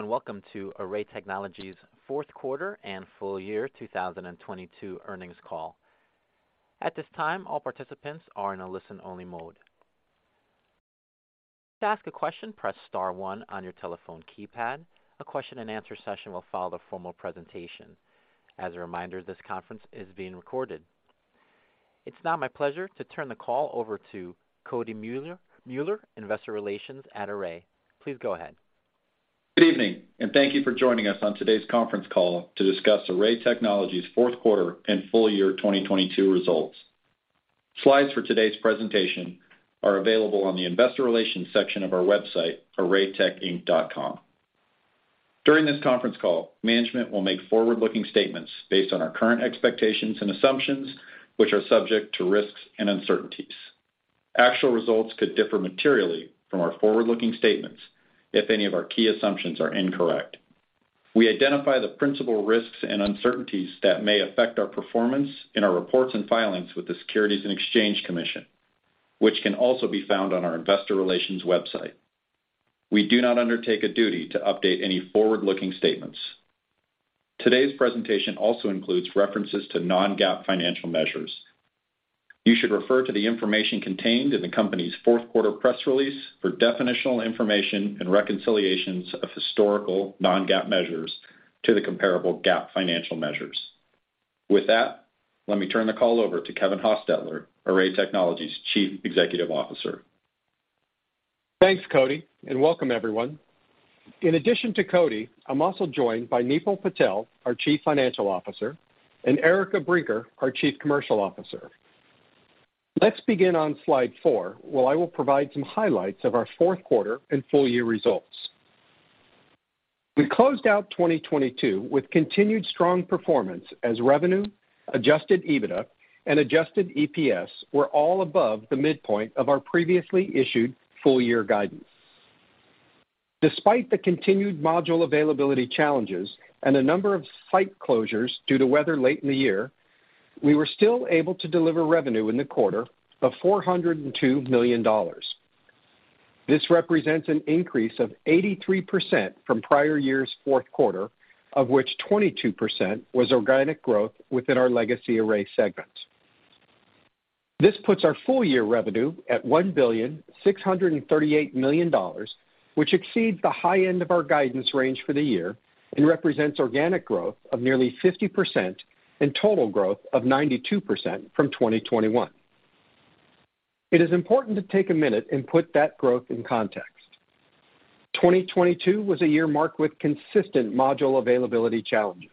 Hello, welcome to Array Technologies fourth quarter and full year 2022 earnings call. At this time, all participants are in a listen-only mode. To ask a question, press star one on your telephone keypad. A question-and-answer session will follow the formal presentation. As a reminder, this conference is being recorded. It's now my pleasure to turn the call over to Cody Mueller, investor relations at Array. Please go ahead. Good evening, thank you for joining us on today's conference call to discuss Array Technologies fourth quarter and full year 2022 results. Slides for today's presentation are available on the investor relations section of our website, arraytechinc.com. During this conference call, management will make forward-looking statements based on our current expectations and assumptions, which are subject to risks and uncertainties. Actual results could differ materially from our forward-looking statements if any of our key assumptions are incorrect. We identify the principal risks and uncertainties that may affect our performance in our reports and filings with the Securities and Exchange Commission, which can also be found on our investor relations website. We do not undertake a duty to update any forward-looking statements. Today's presentation also includes references to non-GAAP financial measures. You should refer to the information contained in the company's fourth quarter press release for definitional information and reconciliations of historical non-GAAP measures to the comparable GAAP financial measures. With that, let me turn the call over to Kevin Hostetler, Array Technologies Chief Executive Officer. Thanks, Cody. Welcome everyone. In addition to Cody, I'm also joined by Nipul Patel, our Chief Financial Officer, and Erica Brinker, our Chief Commercial Officer. Let's begin on slide four, where I will provide some highlights of our fourth quarter and full year results. We closed out 2022 with continued strong performance as revenue, Adjusted EBITDA, and Adjusted EPS were all above the midpoint of our previously issued full year guidance. Despite the continued module availability challenges and a number of site closures due to weather late in the year, we were still able to deliver revenue in the quarter of $402 million. This represents an increase of 83% from prior year's fourth quarter, of which 22% was organic growth within our legacy Array segments. This puts our full year revenue at $1,638 million, which exceeds the high end of our guidance range for the year and represents organic growth of nearly 50% and total growth of 92% from 2021. It is important to take a minute and put that growth in context. 2022 was a year marked with consistent module availability challenges,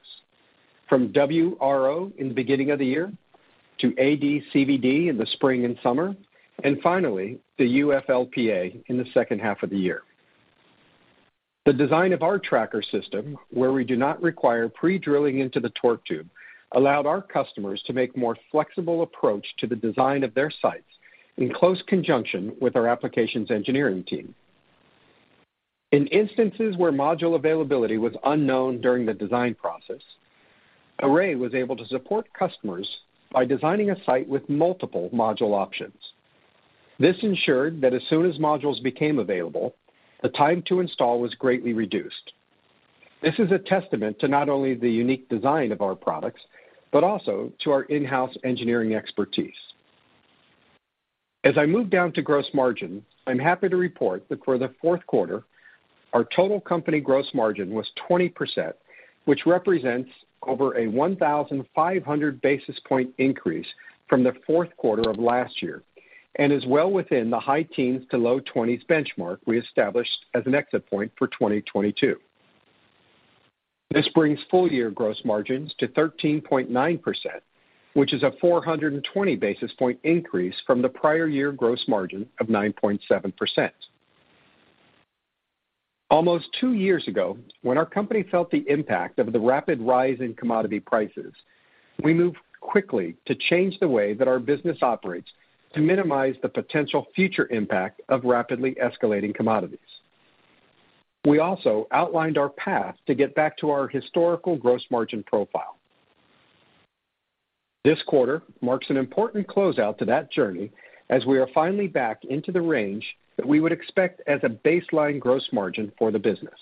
from WRO in the beginning of the year to AD/CVD in the spring and summer, and finally, the UFLPA in the second half of the year. The design of our tracker system, where we do not require pre-drilling into the torque tube, allowed our customers to make more flexible approach to the design of their sites in close conjunction with our applications engineering team. In instances where module availability was unknown during the design process, Array was able to support customers by designing a site with multiple module options. This ensured that as soon as modules became available, the time to install was greatly reduced. This is a testament to not only the unique design of our products, but also to our in-house engineering expertise. As I move down to gross margin, I'm happy to report that for the fourth quarter, our total company gross margin was 20%, which represents over a 1,500 basis point increase from the fourth quarter of last year and is well within the high teens to low twenties benchmark we established as an exit point for 2022. This brings full year gross margins to 13.9%, which is a 420 basis point increase from the prior year gross margin of 9.7%. Almost two years ago, when our company felt the impact of the rapid rise in commodity prices, we moved quickly to change the way that our business operates to minimize the potential future impact of rapidly escalating commodities. We also outlined our path to get back to our historical gross margin profile. This quarter marks an important closeout to that journey as we are finally back into the range that we would expect as a baseline gross margin for the business.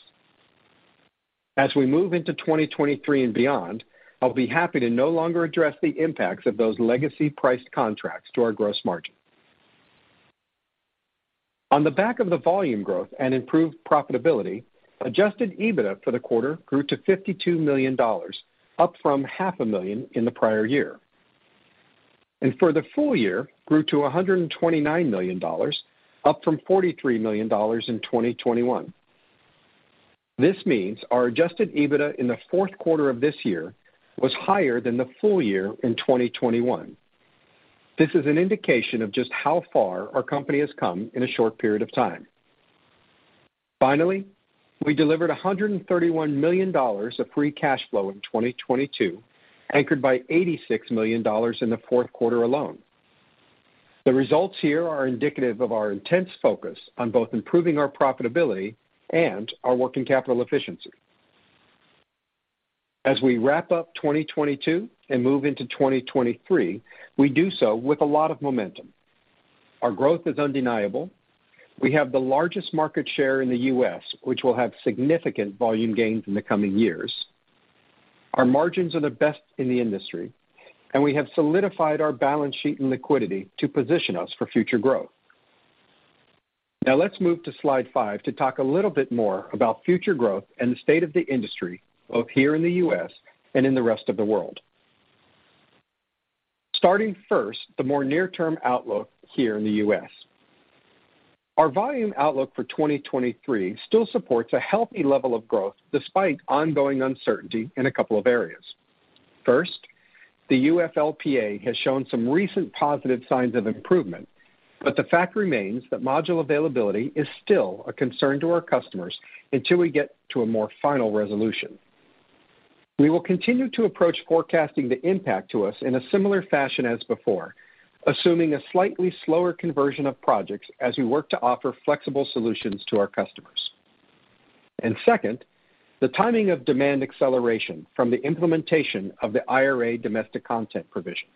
As we move into 2023 and beyond, I'll be happy to no longer address the impacts of those legacy priced contracts to our gross margin. On the back of the volume growth and improved profitability, Adjusted EBITDA for the quarter grew to $52 million, up from half a million in the prior year. For the full year, grew to $129 million, up from $43 million in 2021. This means our Adjusted EBITDA in the fourth quarter of this year was higher than the full year in 2021. This is an indication of just how far our company has come in a short period of time. Finally, we delivered $131 million of free cash flow in 2022, anchored by $86 million in the fourth quarter alone. The results here are indicative of our intense focus on both improving our profitability and our working capital efficiency. As we wrap up 2022 and move into 2023, we do so with a lot of momentum. Our growth is undeniable. We have the largest market share in the U.S., which will have significant volume gains in the coming years. Our margins are the best in the industry, and we have solidified our balance sheet and liquidity to position us for future growth. Now let's move to slide five to talk a little bit more about future growth and the state of the industry, both here in the U.S. and in the rest of the world. Starting first, the more near-term outlook here in the U.S. Our volume outlook for 2023 still supports a healthy level of growth despite ongoing uncertainty in a couple of areas. First, the UFLPA has shown some recent positive signs of improvement, but the fact remains that module availability is still a concern to our customers until we get to a more final resolution. We will continue to approach forecasting the impact to us in a similar fashion as before, assuming a slightly slower conversion of projects as we work to offer flexible solutions to our customers. Second, the timing of demand acceleration from the implementation of the IRA domestic content provision.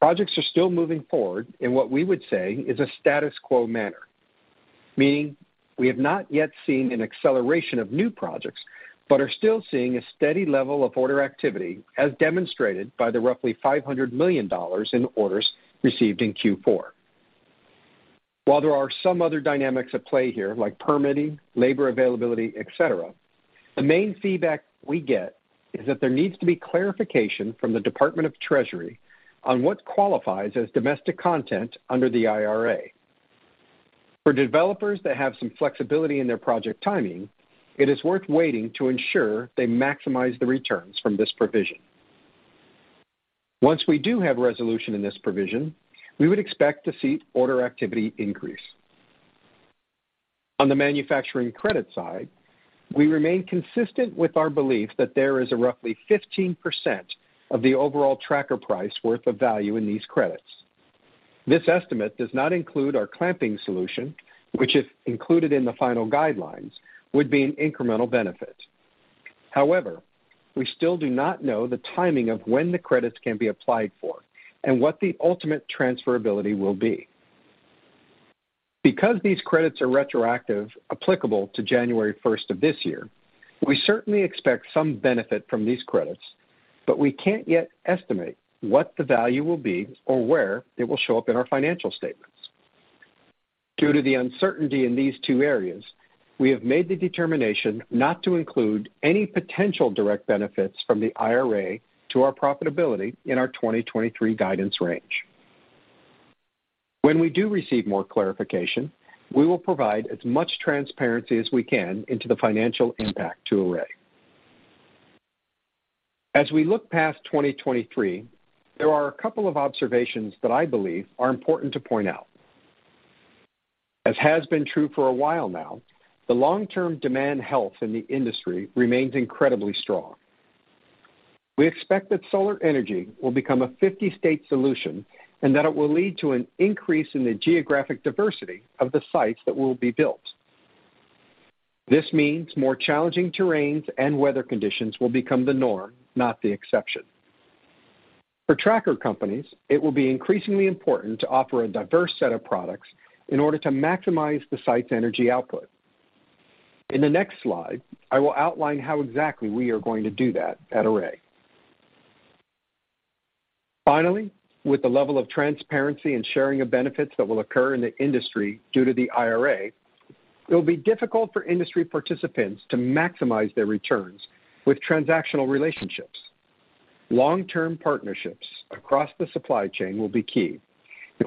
Projects are still moving forward in what we would say is a status quo manner, meaning we have not yet seen an acceleration of new projects, but are still seeing a steady level of order activity, as demonstrated by the roughly $500 million in orders received in Q4. While there are some other dynamics at play here, like permitting, labor availability, et cetera, the main feedback we get is that there needs to be clarification from the Department of the Treasury on what qualifies as domestic content under the IRA. For developers that have some flexibility in their project timing, it is worth waiting to ensure they maximize the returns from this provision. Once we do have resolution in this provision, we would expect to see order activity increase. On the manufacturing credit side, we remain consistent with our belief that there is a roughly 15% of the overall tracker price worth of value in these credits. This estimate does not include our clamping solution, which if included in the final guidelines, would be an incremental benefit. We still do not know the timing of when the credits can be applied for and what the ultimate transferability will be. These credits are retroactive, applicable to January first of this year, we certainly expect some benefit from these credits, but we can't yet estimate what the value will be or where it will show up in our financial statements. Due to the uncertainty in these two areas, we have made the determination not to include any potential direct benefits from the IRA to our profitability in our 2023 guidance range. When we do receive more clarification, we will provide as much transparency as we can into the financial impact to Array. We look past 2023, there are a couple of observations that I believe are important to point out. As has been true for a while now, the long-term demand health in the industry remains incredibly strong. We expect that solar energy will become a 50-state solution, and that it will lead to an increase in the geographic diversity of the sites that will be built. This means more challenging terrains and weather conditions will become the norm, not the exception. For tracker companies, it will be increasingly important to offer a diverse set of products in order to maximize the site's energy output. In the next slide, I will outline how exactly we are going to do that at Array. With the level of transparency and sharing of benefits that will occur in the industry due to the IRA, it will be difficult for industry participants to maximize their returns with transactional relationships. Long-term partnerships across the supply chain will be key.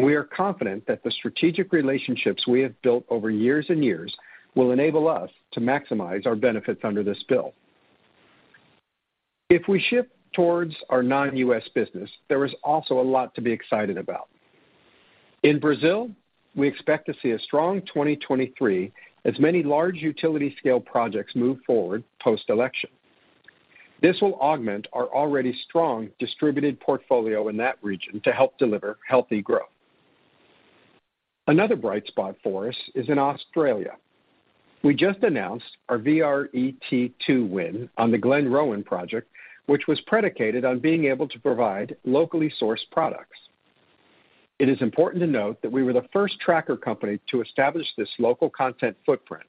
We are confident that the strategic relationships we have built over years and years will enable us to maximize our benefits under this bill. If we shift towards our non-U.S. business, there is also a lot to be excited about. In Brazil, we expect to see a strong 2023 as many large utility scale projects move forward post-election. This will augment our already strong distributed portfolio in that region to help deliver healthy growth. Another bright spot for us is in Australia. We just announced our VRET2 win on the Glenrowan project, which was predicated on being able to provide locally sourced products. It is important to note that we were the first tracker company to establish this local content footprint,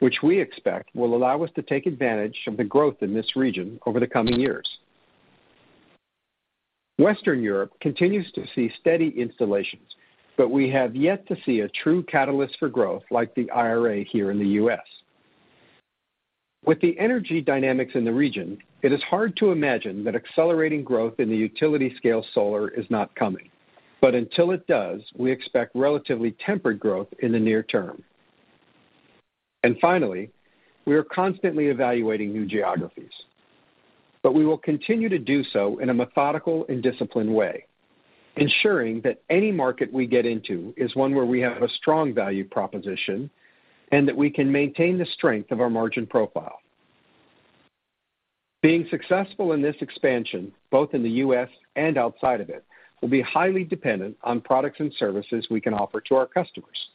which we expect will allow us to take advantage of the growth in this region over the coming years. Western Europe continues to see steady installations, but we have yet to see a true catalyst for growth like the IRA here in the U.S. With the energy dynamics in the region, it is hard to imagine that accelerating growth in the utility scale solar is not coming. Until it does, we expect relatively tempered growth in the near term. Finally, we are constantly evaluating new geographies, but we will continue to do so in a methodical and disciplined way, ensuring that any market we get into is one where we have a strong value proposition and that we can maintain the strength of our margin profile. Being successful in this expansion, both in the U.S. and outside of it, will be highly dependent on products and services we can offer to our customers.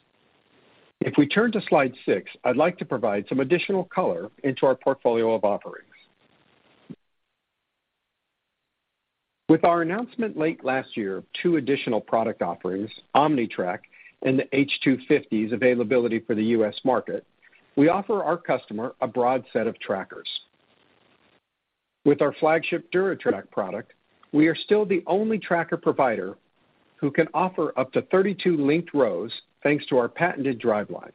We turn to slide 6, I'd like to provide some additional color into our portfolio of offerings. With our announcement late last year of 2 additional product offerings, OmniTrack and the H250's availability for the U.S. market, we offer our customer a broad set of trackers. With our flagship DuraTrack product, we are still the only tracker provider who can offer up to 32 linked rows thanks to our patented driveline.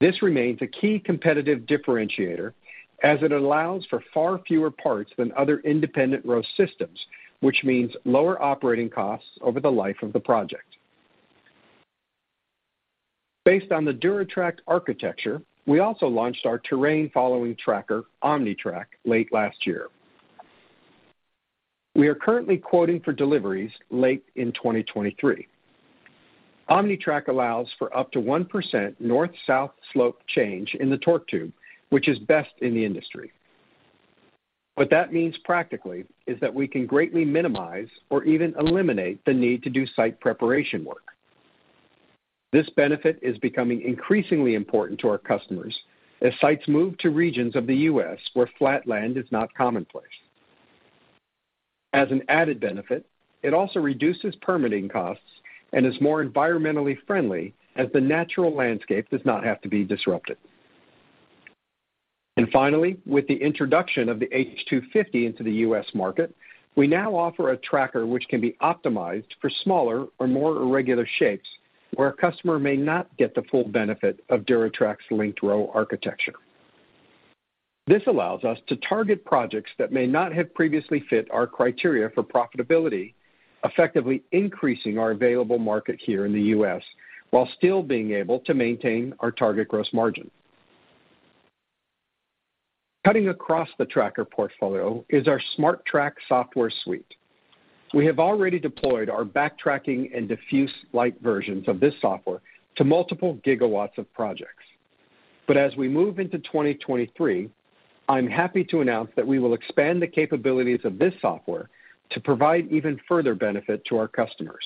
This remains a key competitive differentiator as it allows for far fewer parts than other independent row systems, which means lower operating costs over the life of the project. Based on the DuraTrack architecture, we also launched our terrain following tracker, OmniTrack, late last year. We are currently quoting for deliveries late in 2023. OmniTrack allows for up to 1% north-south slope change in the torque tube, which is best in the industry. What that means practically is that we can greatly minimize or even eliminate the need to do site preparation work. This benefit is becoming increasingly important to our customers as sites move to regions of the U.S. where flat land is not commonplace. As an added benefit, it also reduces permitting costs and is more environmentally friendly as the natural landscape does not have to be disrupted. Finally, with the introduction of the H250 into the U.S. market, we now offer a tracker which can be optimized for smaller or more irregular shapes, where a customer may not get the full benefit of DuraTrack's linked row architecture. This allows us to target projects that may not have previously fit our criteria for profitability, effectively increasing our available market here in the U.S., while still being able to maintain our target gross margin. Cutting across the tracker portfolio is our SmarTrack software suite. We have already deployed our backtracking and diffuse light versions of this software to multiple gigawatts of projects. As we move into 2023, I'm happy to announce that we will expand the capabilities of this software to provide even further benefit to our customers.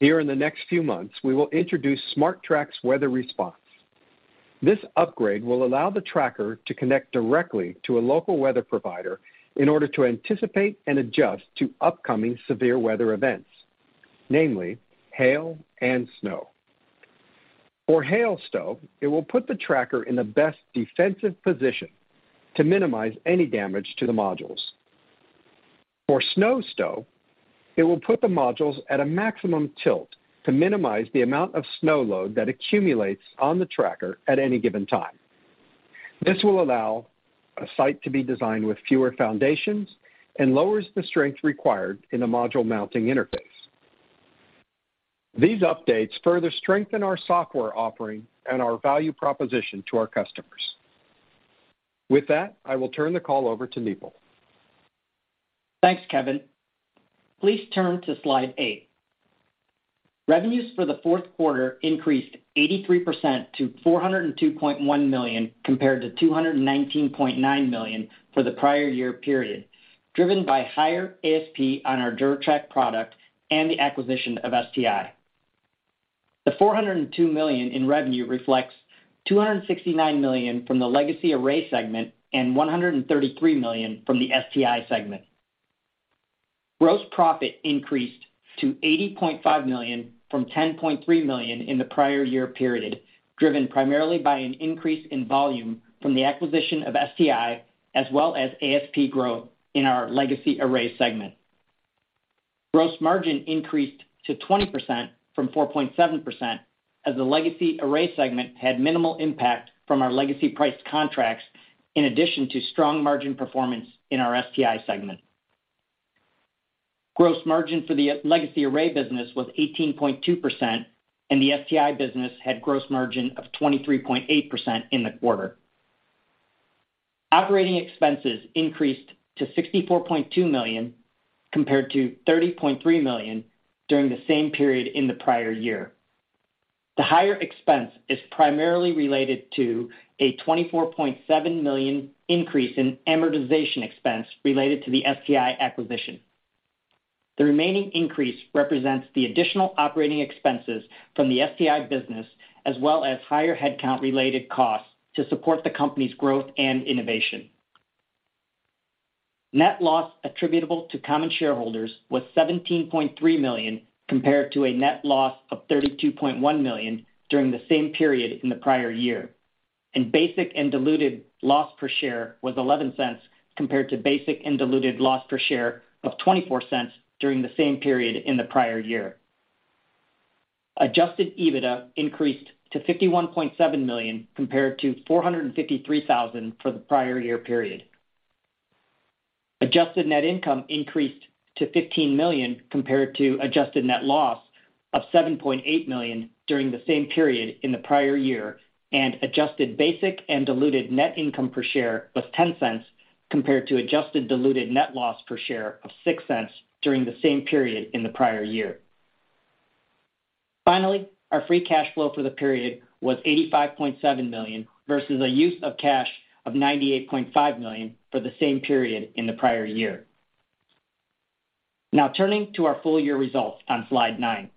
Here in the next few months, we will introduce SmarTrack's weather response. This upgrade will allow the tracker to connect directly to a local weather provider in order to anticipate and adjust to upcoming severe weather events, namely hail and snow. For hail stow, it will put the tracker in the best defensive position to minimize any damage to the modules. For snow stow, it will put the modules at a maximum tilt to minimize the amount of snow load that accumulates on the tracker at any given time. This will allow a site to be designed with fewer foundations and lowers the strength required in the module mounting interface. These updates further strengthen our software offering and our value proposition to our customers. With that, I will turn the call over to Nipul. Thanks, Kevin. Please turn to slide 8. Revenues for the fourth quarter increased 83% to $402.1 million, compared to $219.9 million for the prior year period, driven by higher ASP on our DuraTrack product and the acquisition of STI. The $402 million in revenue reflects $269 million from the legacy Array segment and $133 million from the STI segment. Gross profit increased to $80.5 million, from $10.3 million in the prior year period, driven primarily by an increase in volume from the acquisition of STI, as well as ASP growth in our legacy Array segment. Gross margin increased to 20% from 4.7%, as the legacy Array segment had minimal impact from our legacy priced contracts, in addition to strong margin performance in our STI segment. Gross margin for the legacy Array business was 18.2%, and the STI business had gross margin of 23.8% in the quarter. Operating expenses increased to $64.2 million compared to $30.3 million during the same period in the prior year. The higher expense is primarily related to a $24.7 million increase in amortization expense related to the STI acquisition. The remaining increase represents the additional operating expenses from the STI business, as well as higher headcount-related costs to support the company's growth and innovation. Net loss attributable to common shareholders was $17.3 million, compared to a net loss of $32.1 million during the same period in the prior year. Basic and diluted loss per share was $0.11, compared to basic and diluted loss per share of $0.24 during the same period in the prior year. Adjusted EBITDA increased to $51.7 million, compared to $453,000 for the prior year period. Adjusted net income increased to $15 million, compared to adjusted net loss of $7.8 million during the same period in the prior year. Adjusted basic and diluted net income per share was $0.10, compared to adjusted diluted net loss per share of $0.06 during the same period in the prior year. Our free cash flow for the period was $85.7 million versus a use of cash of $98.5 million for the same period in the prior year. Turning to our full year results on slide 9.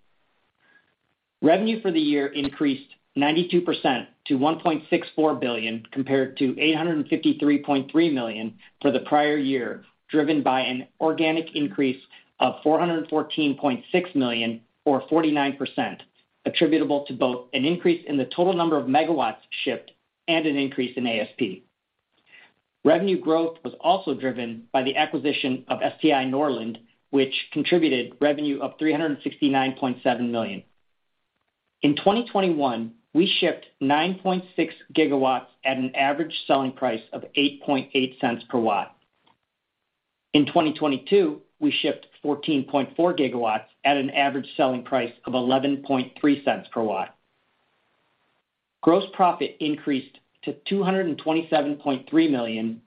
Revenue for the year increased 92% to $1.64 billion compared to $853.3 million for the prior year, driven by an organic increase of $414.6 million or 49% attributable to both an increase in the total number of megawatts shipped and an increase in ASP. Revenue growth was also driven by the acquisition of STI Norland, which contributed revenue of $369.7 million. In 2021, we shipped 9.6 GW at an average selling price of $0.088 per watt. In 2022, we shipped 14.4 GW at an average selling price of $0.113 per watt. Gross profit increased to $227.3 million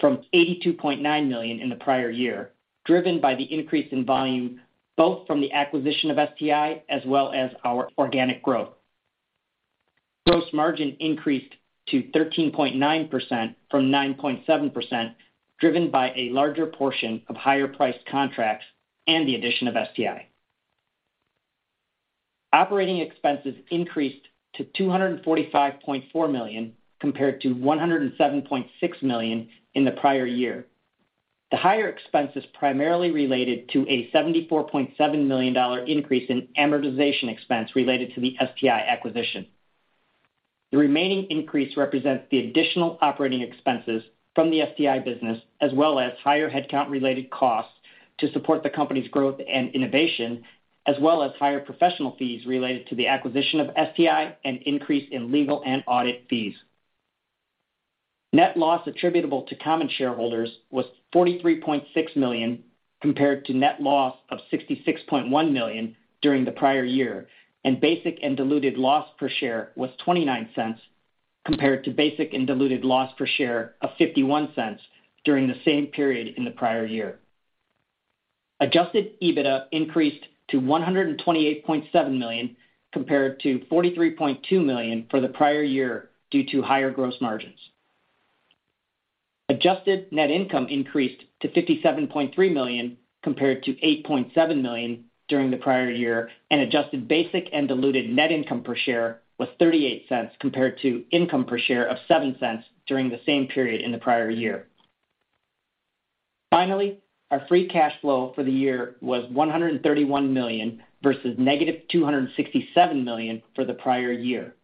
from $82.9 million in the prior year, driven by the increase in volume both from the acquisition of STI as well as our organic growth. Gross margin increased to 13.9% from 9.7%, driven by a larger portion of higher priced contracts and the addition of STI. Operating expenses increased to $245.4 million compared to $107.6 million in the prior year. The higher expenses primarily related to a $74.7 million increase in amortization expense related to the STI acquisition. The remaining increase represents the additional operating expenses from the STI business, as well as higher headcount related costs to support the company's growth and innovation, as well as higher professional fees related to the acquisition of STI and increase in legal and audit fees. Net loss attributable to common shareholders was $43.6 million compared to net loss of $66.1 million during the prior year. Basic and diluted loss per share was $0.29 compared to basic and diluted loss per share of $0.51 during the same period in the prior year. Adjusted EBITDA increased to $128.7 million compared to $43.2 million for the prior year due to higher gross margins. Adjusted net income increased to $57.3 million compared to $8.7 million during the prior year, and adjusted basic and diluted net income per share was $0.38 compared to income per share of $0.07 during the same period in the prior year. Finally, our free cash flow for the year was $131 million versus -$267 million for the prior year.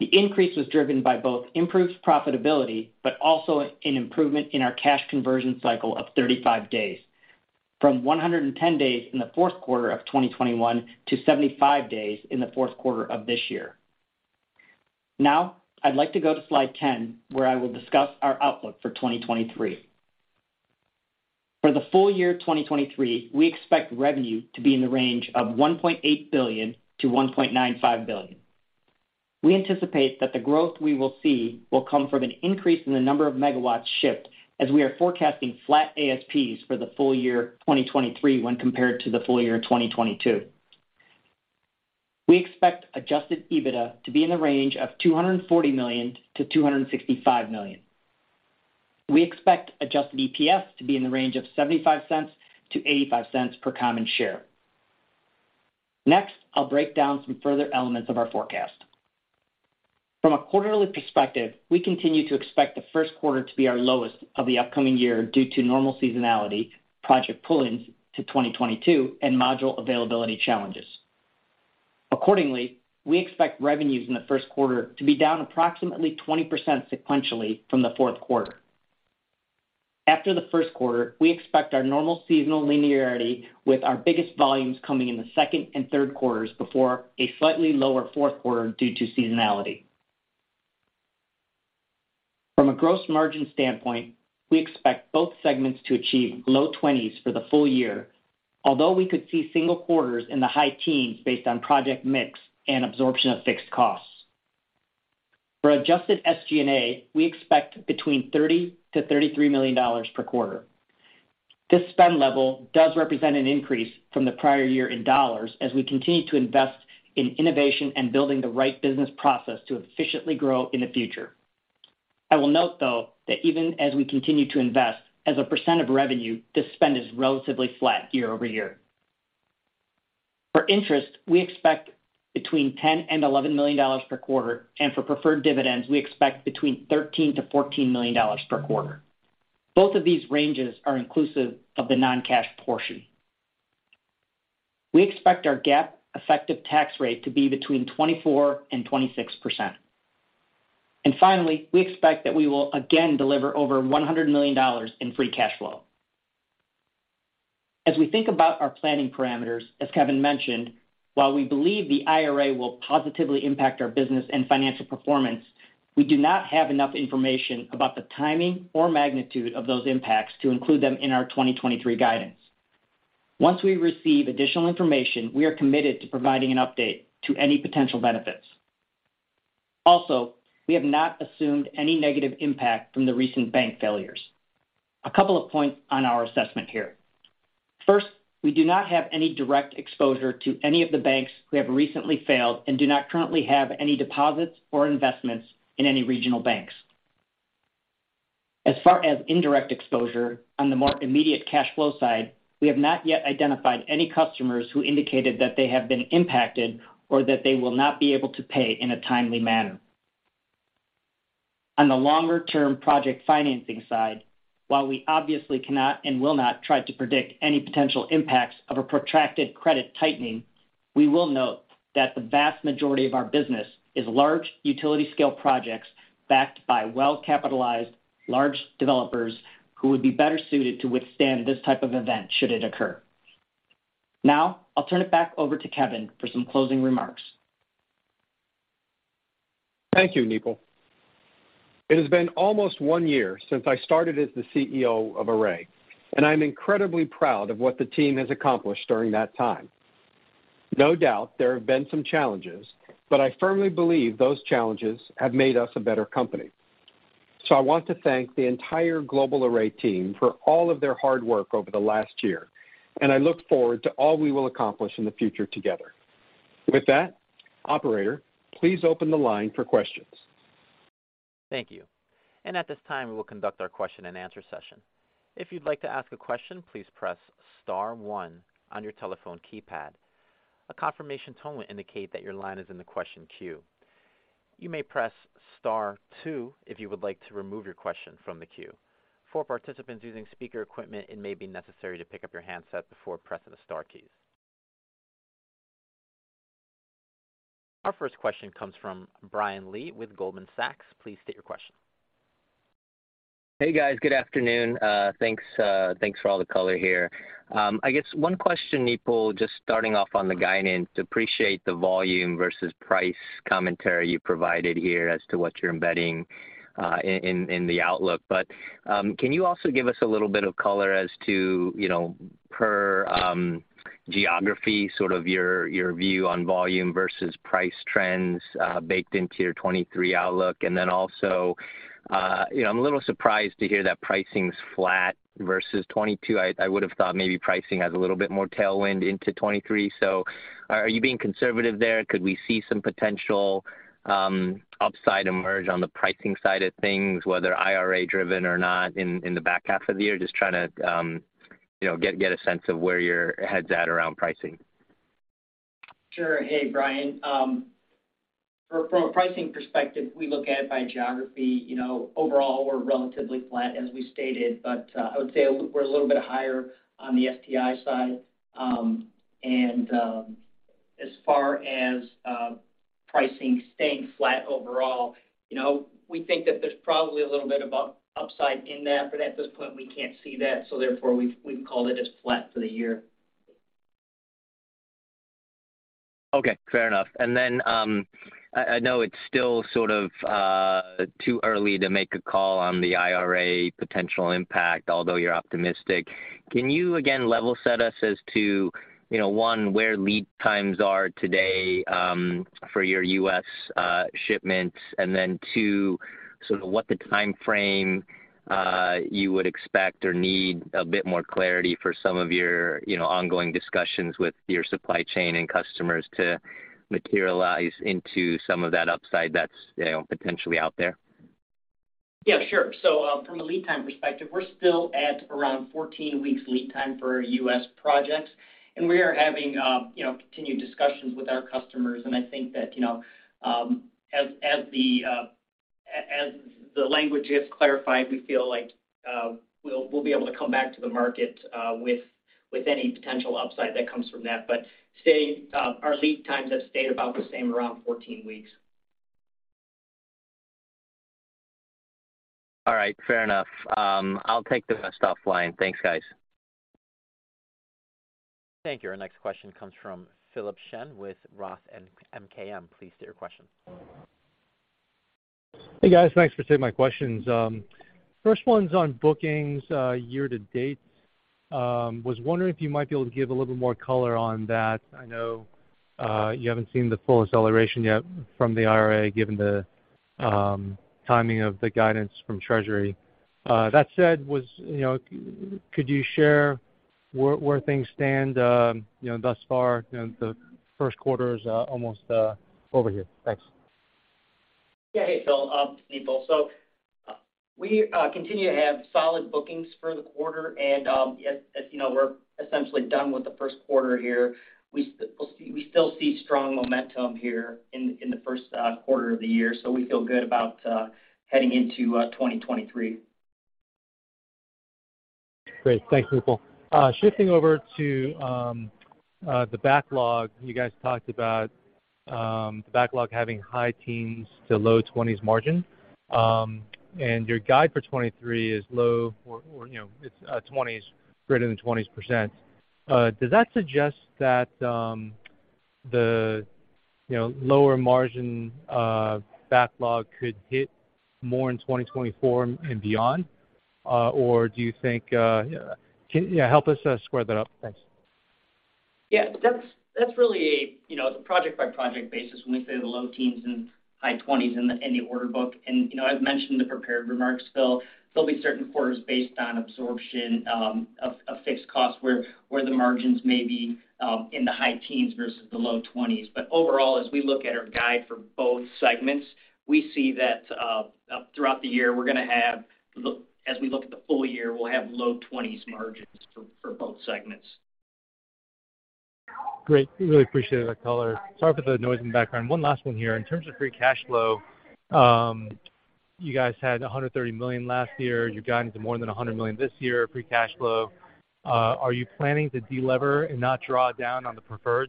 The increase was driven by both improved profitability, but also an improvement in our cash conversion cycle of 35 days, from 110 days in the fourth quarter of 2021 to 75 days in the fourth quarter of this year. Now, I'd like to go to slide 10, where I will discuss our outlook for 2023. For the full year 2023, we expect revenue to be in the range of $1.8 billion-$1.95 billion. We anticipate that the growth we will see will come from an increase in the number of megawatts shipped as we are forecasting flat ASPs for the full year 2023 when compared to the full year 2022. We expect Adjusted EBITDA to be in the range of $240 million-$265 million. We expect Adjusted EPS to be in the range of $0.75-$0.85 per common share. I'll break down some further elements of our forecast. From a quarterly perspective, we continue to expect the first quarter to be our lowest of the upcoming year due to normal seasonality, project pull-ins to 2022, and module availability challenges. Accordingly, we expect revenues in the first quarter to be down approximately 20% sequentially from the fourth quarter. After the first quarter, we expect our normal seasonal linearity with our biggest volumes coming in the second and third quarters before a slightly lower fourth quarter due to seasonality. From a gross margin standpoint, we expect both segments to achieve low 20s for the full year, although we could see single quarters in the high teens based on project mix and absorption of fixed costs. For adjusted SG&A, we expect between $30 million-$33 million per quarter. This spend level does represent an increase from the prior year in dollars as we continue to invest in innovation and building the right business process to efficiently grow in the future. I will note, though, that even as we continue to invest, as a percent of revenue, this spend is relatively flat year-over-year. For interest, we expect between $10 million and $11 million per quarter, and for preferred dividends, we expect between $13 million-$14 million per quarter. Both of these ranges are inclusive of the non-cash portion. We expect our GAAP effective tax rate to be between 24% and 26%. Finally, we expect that we will again deliver over $100 million in free cash flow. As we think about our planning parameters, as Kevin mentioned, while we believe the IRA will positively impact our business and financial performance, we do not have enough information about the timing or magnitude of those impacts to include them in our 2023 guidance. Once we receive additional information, we are committed to providing an update to any potential benefits. We have not assumed any negative impact from the recent bank failures. A couple of points on our assessment here. First, we do not have any direct exposure to any of the banks who have recently failed and do not currently have any deposits or investments in any regional banks. As far as indirect exposure on the more immediate cash flow side, we have not yet identified any customers who indicated that they have been impacted or that they will not be able to pay in a timely manner. On the longer-term project financing side, while we obviously cannot and will not try to predict any potential impacts of a protracted credit tightening, we will note that the vast majority of our business is large utility scale projects backed by well-capitalized large developers who would be better suited to withstand this type of event should it occur. I'll turn it back over to Kevin for some closing remarks. Thank you, Nipul. It has been almost one year since I started as the CEO of Array, I'm incredibly proud of what the team has accomplished during that time. No doubt, there have been some challenges, but I firmly believe those challenges have made us a better company. I want to thank the entire global Array team for all of their hard work over the last year, and I look forward to all we will accomplish in the future together. With that, operator, please open the line for questions. Thank you. At this time, we will conduct our question-and-answer session. If you'd like to ask a question, please press star one on your telephone keypad. A confirmation tone will indicate that your line is in the question queue. You may press star two if you would like to remove your question from the queue. For participants using speaker equipment, it may be necessary to pick up your handset before pressing the star keys. Our first question comes from Brian Lee with Goldman Sachs. Please state your question. Hey, guys. Good afternoon. Thanks, thanks for all the color here. I guess one question, Nipul, just starting off on the guidance. Appreciate the volume versus price commentary you provided here as to what you're embedding in the outlook. Can you also give us a little bit of color as to, you know, per geography, sort of your view on volume versus price trends baked into your 2023 outlook? Also, you know, I'm a little surprised to hear that pricing's flat versus 2022. I would have thought maybe pricing has a little bit more tailwind into 2023. Are you being conservative there? Could we see some potential upside emerge on the pricing side of things, whether IRA driven or not in the back half of the year? Just trying to, you know, get a sense of where your head's at around pricing. Sure. Hey, Brian. From a pricing perspective, we look at it by geography. You know, overall, we're relatively flat, as we stated, but I would say we're a little bit higher on the STI side. As far as pricing staying flat overall, you know, we think that there's probably a little bit of upside in that, but at this point, we can't see that, so therefore, we've called it as flat for the year. Okay. Fair enough. I know it's still sort of, too early to make a call on the IRA potential impact, although you're optimistic. Can you again level set us as to, you know, 1, where lead times are today, for your U.S. shipments? 2, sort of what the timeframe, you would expect or need a bit more clarity for some of your, you know, ongoing discussions with your supply chain and customers to materialize into some of that upside that's, you know, potentially out there? Yeah, sure. From a lead time perspective, we're still at around 14 weeks lead time for our U.S. projects. We are having, you know, continued discussions with our customers. I think that, you know, as the language gets clarified, we feel like, we'll be able to come back to the market, with any potential upside that comes from that. Our lead times have stayed about the same, around 14 weeks. All right, fair enough. I'll take the rest offline. Thanks, guys. Thank you. Our next question comes from Philip Shen with ROTH MKM. Please state your question. Hey, guys. Thanks for taking my questions. first one's on bookings, year to date. was wondering if you might be able to give a little more color on that. I know, you haven't seen the full acceleration yet from the IRA, given the timing of the guidance from Treasury. That said, was, you know, could you share where things stand, you know, thus far? You know, the first quarter is almost over here. Thanks. Yeah. Hey, Phil, Nipul. We continue to have solid bookings for the quarter. As, as you know, we're essentially done with the first quarter here. We still see strong momentum here in the first quarter of the year, so we feel good about heading into 2023. Great. Thanks, Nipul. Shifting over to the backlog, you guys talked about the backlog having high teens to low 20s margin. Your guide for 2023 is low or, you know, it's 20s, greater than 20%. Does that suggest that, you know, lower margin backlog could hit more in 2024 and beyond, or do you think? Can, yeah, help us square that up. Thanks. Yeah. That's, that's really, you know, it's a project by project basis when we say the low teens and high twenties in the order book. You know, as mentioned in the prepared remarks, Phil, there'll be certain quarters based on absorption of fixed costs where the margins may be in the high teens versus the low twenties. Overall, as we look at our guide for both segments, we see that throughout the year, we're gonna have as we look at the full year, we'll have low twenties margins for both segments. Great. Really appreciate it, color. Sorry for the noise in the background. One last one here. In terms of free cash flow, you guys had $130 million last year. You've gotten to more than $100 million this year, free cash flow. Are you planning to delever and not draw down on the preferreds?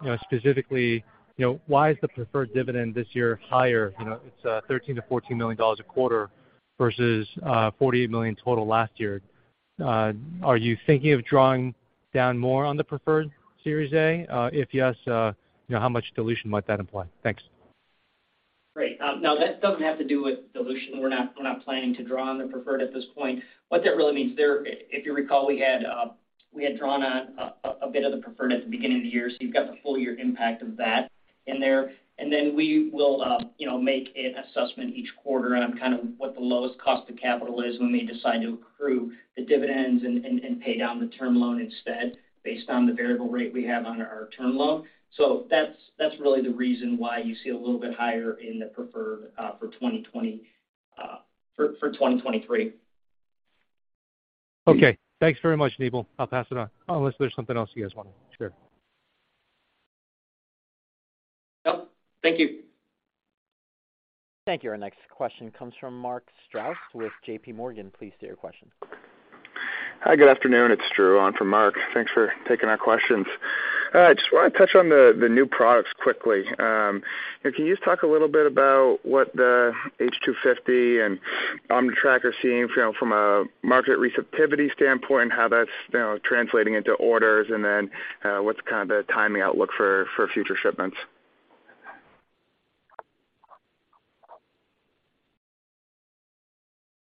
You know, specifically, you know, why is the preferred dividend this year higher? You know, it's $13 million-$14 million a quarter versus $48 million total last year. Are you thinking of drawing down more on the preferred Series A? If yes, you know, how much dilution might that imply? Thanks. Great. No, that doesn't have to do with dilution. We're not planning to draw on the preferred at this point. What that really means there, if you recall, we had drawn on a bit of the preferred at the beginning of the year, so you've got the full year impact of that in there. Then we will, you know, make an assessment each quarter on kind of what the lowest cost of capital is when we decide to accrue the dividends and pay down the term loan instead based on the variable rate we have on our term loan. That's really the reason why you see a little bit higher in the preferred for 2023. Okay. Thanks very much, Nipul. I'll pass it on unless there's something else you guys want to share. No. Thank you. Thank you. Our next question comes from Mark Strouse with JPMorgan. Please state your question. Hi. Good afternoon. It's Drew on for Mark. Thanks for taking our questions. I just wanna touch on the new products quickly. Can you just talk a little bit about what the H250 and OmniTrack are seeing from a market receptivity standpoint and how that's, you know, translating into orders and then, what's kind of the timing outlook for future shipments?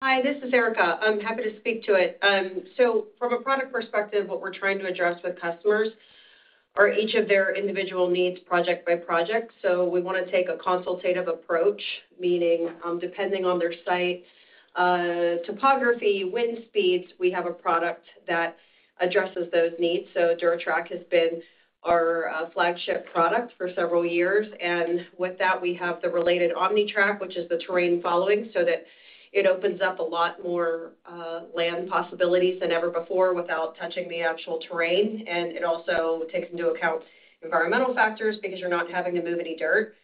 Hi, this is Erica. I'm happy to speak to it. From a product perspective, what we're trying to address with customers are each of their individual needs project by project. We wanna take a consultative approach, meaning, depending on their site, topography, wind speeds, we have a product that addresses those needs. DuraTrack has been our flagship product for several years. With that we have the related OmniTrack, which is the terrain following, so that it opens up a lot more land possibilities than ever before without touching the actual terrain. It also takes into account environmental factors because you're not having to move any dirt.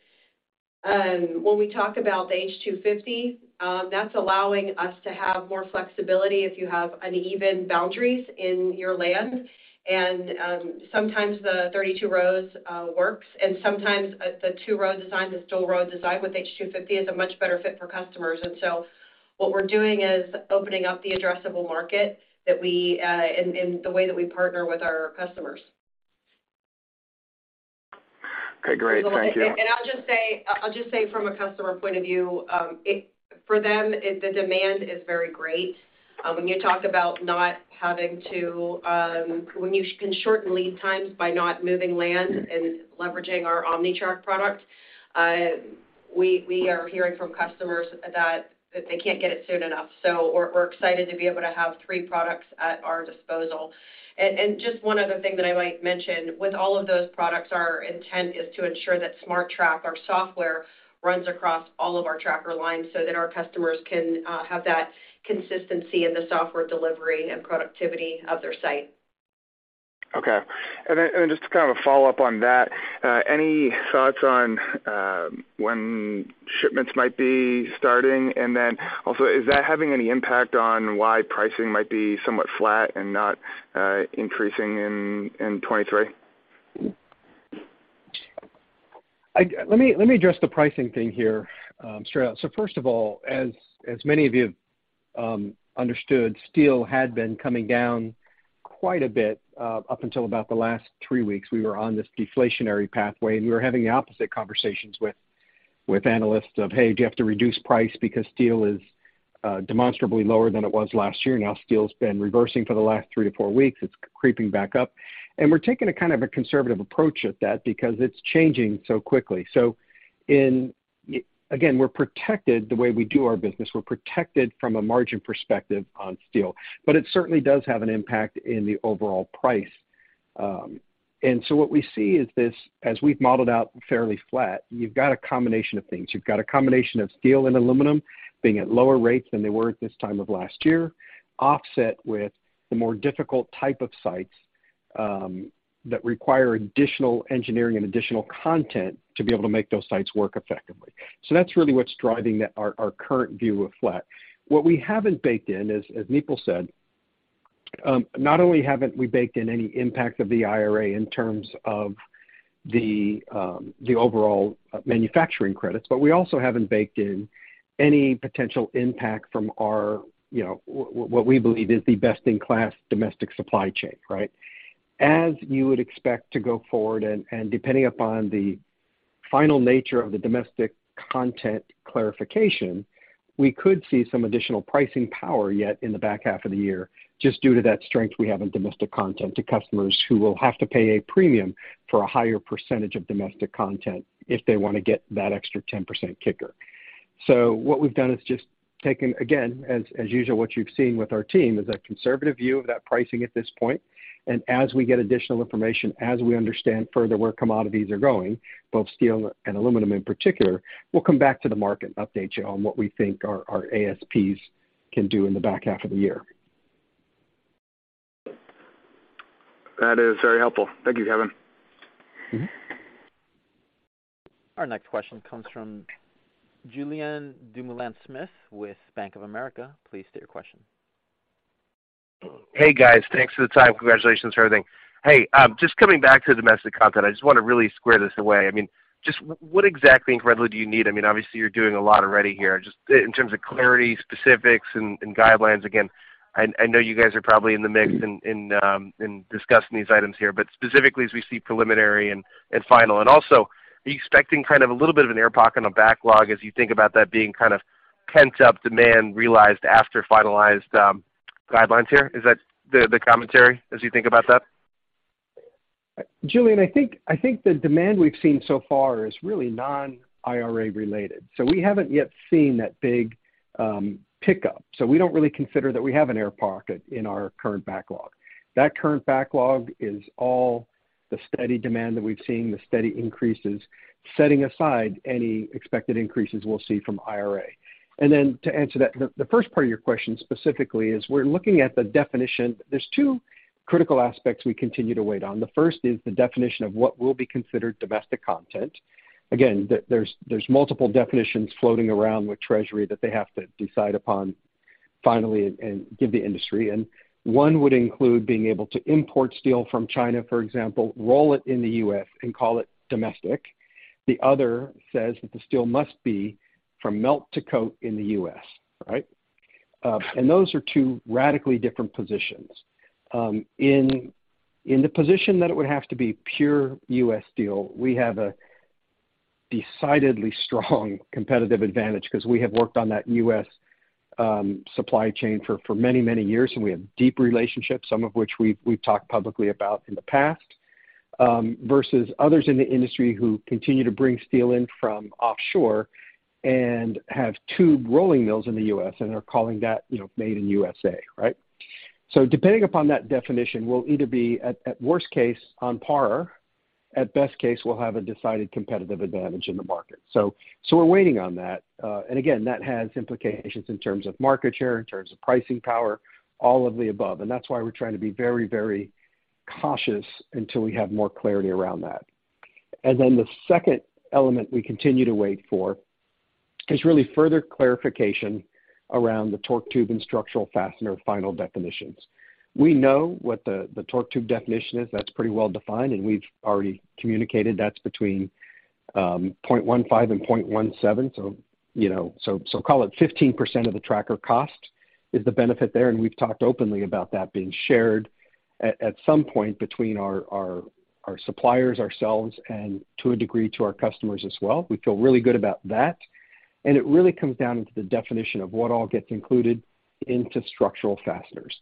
When we talk about the H250, that's allowing us to have more flexibility if you have uneven boundaries in your land. Sometimes the 32 rows works and sometimes the 2-row design, the dual-row design with STI H250 is a much better fit for customers. What we're doing is opening up the addressable market that we in the way that we partner with our customers. Okay, great. Thank you. I'll just say, I'll just say from a customer point of view, for them, the demand is very great. When you talk about not having to, when you can shorten lead times by not moving land and leveraging our OmniTrack product, we are hearing from customers that they can't get it soon enough. We're excited to be able to have three products at our disposal. Just one other thing that I might mention, with all of those products, our intent is to ensure that SmarTrack, our software, runs across all of our tracker lines so that our customers can have that consistency in the software delivery and productivity of their site. Okay. Just kind of a follow-up on that, any thoughts on when shipments might be starting? Also is that having any impact on why pricing might be somewhat flat and not increasing in 2023? Let me address the pricing thing here straight out. First of all, as many of you understood, steel had been coming down quite a bit up until about the last three weeks. We were on this deflationary pathway and we were having the opposite conversations with analysts of, "Hey, do you have to reduce price because steel is demonstrably lower than it was last year?" Steel's been reversing for the last 3-4 weeks. It's creeping back up. We're taking a kind of a conservative approach at that because it's changing so quickly. Again, we're protected the way we do our business. We're protected from a margin perspective on steel, but it certainly does have an impact in the overall price. What we see is this, as we've modeled out fairly flat, you've got a combination of things. You've got a combination of steel and aluminum being at lower rates than they were at this time of last year, offset with the more difficult type of sites that require additional engineering and additional content to be able to make those sites work effectively. That's really what's driving our current view of flat. What we haven't baked in is, as Nipul said, not only haven't we baked in any impact of the IRA in terms of the overall manufacturing credits, but we also haven't baked in any potential impact from our, you know, what we believe is the best in class domestic supply chain, right? As you would expect to go forward and depending upon the final nature of the domestic content clarification, we could see some additional pricing power yet in the back half of the year just due to that strength we have in domestic content to customers who will have to pay a premium for a higher percentage of domestic content if they wanna get that extra 10% kicker. What we've done is just taken, again, as usual, what you've seen with our team, is a conservative view of that pricing at this point. As we get additional information, as we understand further where commodities are going, both steel and aluminum in particular, we'll come back to the market and update you on what we think our ASPs can do in the back half of the year. That is very helpful. Thank you, Kevin. Our next question comes from Julien Dumoulin-Smith with Bank of America. Please state your question. Hey, guys. Thanks for the time. Congratulations for everything. Hey, just coming back to domestic content. I just wanna really square this away. I mean, just what exactly in credit do you need? I mean, obviously, you're doing a lot already here. Just in terms of clarity, specifics and guidelines. Again, I know you guys are probably in the mix and discussing these items here. Specifically as we see preliminary and final. Are you expecting kind of a little bit of an air pocket on backlog as you think about that being kind of pent-up demand realized after finalized guidelines here? Is that the commentary as you think about that? Julien, I think the demand we've seen so far is really non-IRA related. We haven't yet seen that big pickup. We don't really consider that we have an air pocket in our current backlog. That current backlog is all the steady demand that we've seen, the steady increases, setting aside any expected increases we'll see from IRA. Then to answer the first part of your question specifically is we're looking at the definition. There's 2 critical aspects we continue to wait on. The first is the definition of what will be considered domestic content. Again, there's multiple definitions floating around with Treasury that they have to decide upon finally and give the industry. One would include being able to import steel from China, for example, roll it in the U.S. and call it domestic. The other says that the steel must be from melt to coat in the U.S., right? Those are two radically different positions. In the position that it would have to be pure U.S. steel, we have a decidedly strong competitive advantage 'cause we have worked on that U.S. supply chain for many, many years, and we have deep relationships, some of which we've talked publicly about in the past, versus others in the industry who continue to bring steel in from offshore and have two rolling mills in the U.S. and are calling that, you know, made in U.S.A., right? Depending upon that definition, we'll either be at worst case, on par, at best case, we'll have a decided competitive advantage in the market. We're waiting on that. Again, that has implications in terms of market share, in terms of pricing power, all of the above. That's why we're trying to be very, very cautious until we have more clarity around that. Then the second element we continue to wait for is really further clarification around the torque tube and structural fastener final definitions. We know what the torque tube definition is. That's pretty well-defined, and we've already communicated that's between 0.15 and 0.17. You know, call it 15% of the tracker cost is the benefit there, and we've talked openly about that being shared at some point between our suppliers, ourselves, and to a degree, to our customers as well. We feel really good about that. It really comes down into the definition of what all gets included into structural fasteners.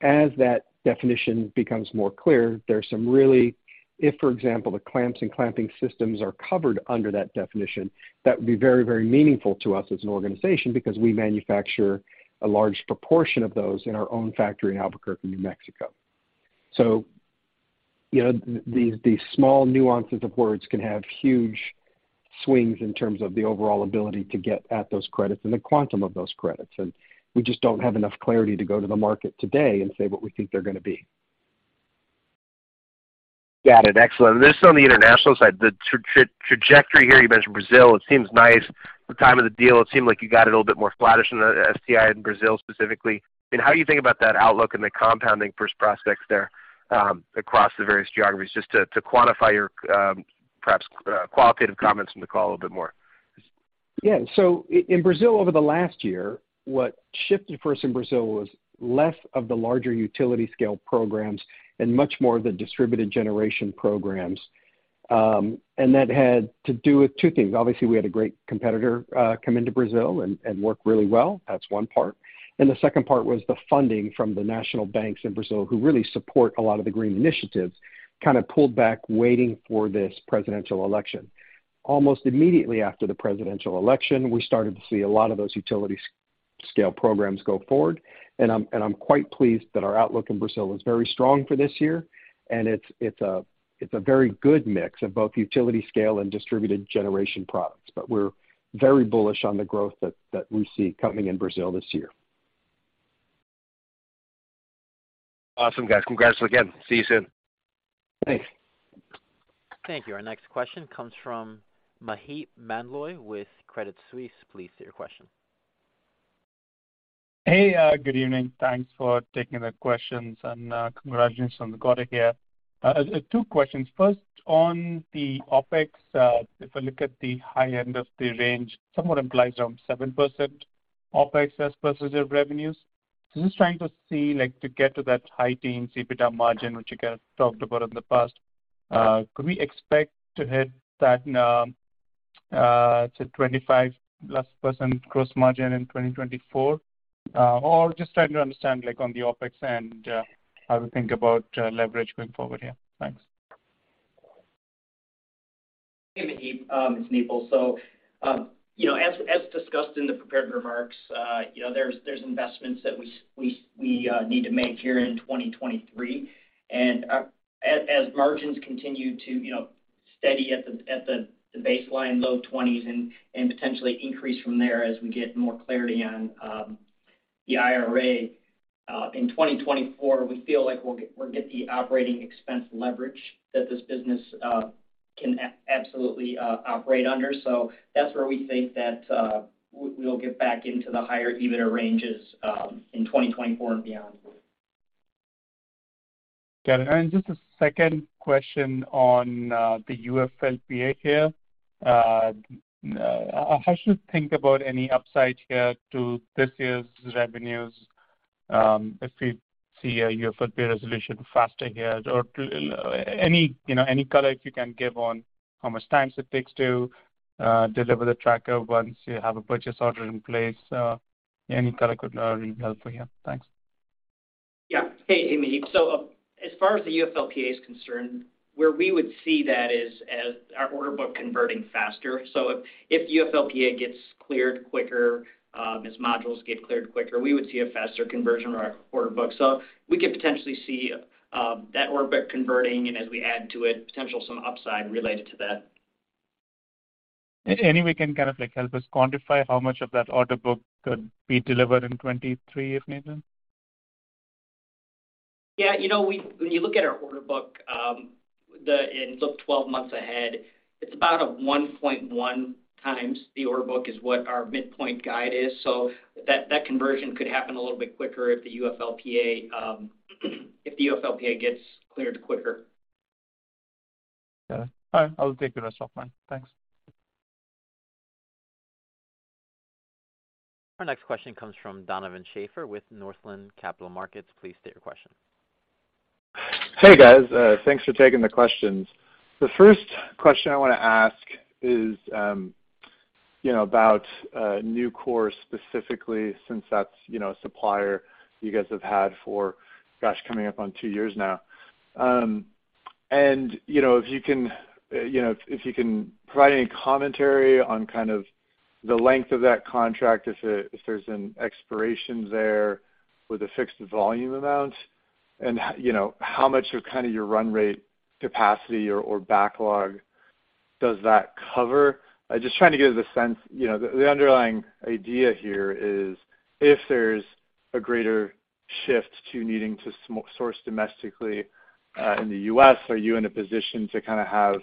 As that definition becomes more clear, if, for example, the clamps and clamping systems are covered under that definition, that would be very, very meaningful to us as an organization because we manufacture a large proportion of those in our own factory in Albuquerque, New Mexico. You know, these small nuances of words can have huge swings in terms of the overall ability to get at those credits and the quantum of those credits. We just don't have enough clarity to go to the market today and say what we think they're gonna be. Got it. Excellent. This is on the international side. The trajectory here, you mentioned Brazil, it seems nice. The time of the deal, it seemed like you got a little bit more flattish than the STI in Brazil specifically. How you think about that outlook and the compounding first prospects there, across the various geographies, just to quantify your perhaps qualitative comments on the call a little bit more. In Brazil over the last year, what shifted first in Brazil was less of the larger utility scale programs and much more of the distributed generation programs. That had to do with two things. Obviously, we had a great competitor come into Brazil and work really well. That's one part. The second part was the funding from the national banks in Brazil, who really support a lot of the green initiatives, kind of pulled back, waiting for this presidential election. Almost immediately after the presidential election, we started to see a lot of those utility scale programs go forward, and I'm quite pleased that our outlook in Brazil is very strong for this year, it's a very good mix of both utility scale and distributed generation products. We're very bullish on the growth that we see coming in Brazil this year. Awesome, guys. Congrats again. See you soon. Thanks. Thank you. Our next question comes from Maheep Mandloi with Credit Suisse. Please state your question. Hey, good evening. Thanks for taking the questions and congratulations on the quarter here. 2 questions. First, on the OpEx, if I look at the high end of the range, somewhat implies around 7% OpEx as versus your revenues. Just trying to see, like, to get to that high teen EBITDA margin, which you guys talked about in the past, could we expect to hit that, say 25%+ gross margin in 2024? Just trying to understand, like, on the OpEx and how to think about leverage going forward here. Thanks. Hey, Maheep. It's Nipul. you know, as discussed in the prepared remarks, you know, there's investments that we need to make here in 2023. as margins continue to, you know, steady at the baseline low 20s and potentially increase from there as we get more clarity on the IRA. In 2024, we feel like we'll get the operating expense leverage that this business can absolutely operate under. That's where we think that we'll get back into the higher EBITDA ranges in 2024 and beyond. Got it. Just a second question on the UFLPA here. How should think about any upside here to this year's revenues, if we see a UFLPA resolution faster here or to any, you know, any color if you can give on how much time it takes to deliver the tracker once you have a purchase order in place? Any color could really help here. Thanks. Yeah. Hey, Maheep. As far as the UFLPA is concerned, where we would see that is as our order book converting faster. If UFLPA gets cleared quicker, as modules get cleared quicker, we would see a faster conversion of our order book. We could potentially see that order book converting and as we add to it, potential some upside related to that. Any way you can kind of like help us quantify how much of that order book could be delivered in 2023, if needed? Yeah. You know, when you look at our order book, look 12 months ahead, it's about a 1.1 times the order book is what our midpoint guide is. That conversion could happen a little bit quicker if the UFLPA, if the UFLPA gets cleared quicker. Got it. All right. I'll take the rest offline. Thanks. Our next question comes from Donovan Schafer with Northland Capital Markets. Please state your question. Hey, guys. Thanks for taking the questions. The first question I wanna ask is, you know, about Nucor specifically since that's, you know, a supplier you guys have had for, gosh, coming up on two years now. You know, if you can, you know, if you can provide any commentary on kind of the length of that contract, if there's an expiration there with a fixed volume amount, you know, how much of kind of your run rate capacity or backlog does that cover? I'm just trying to get a sense. You know, the underlying idea here is if there's a greater shift to needing to source domestically, in the U.S., are you in a position to kinda have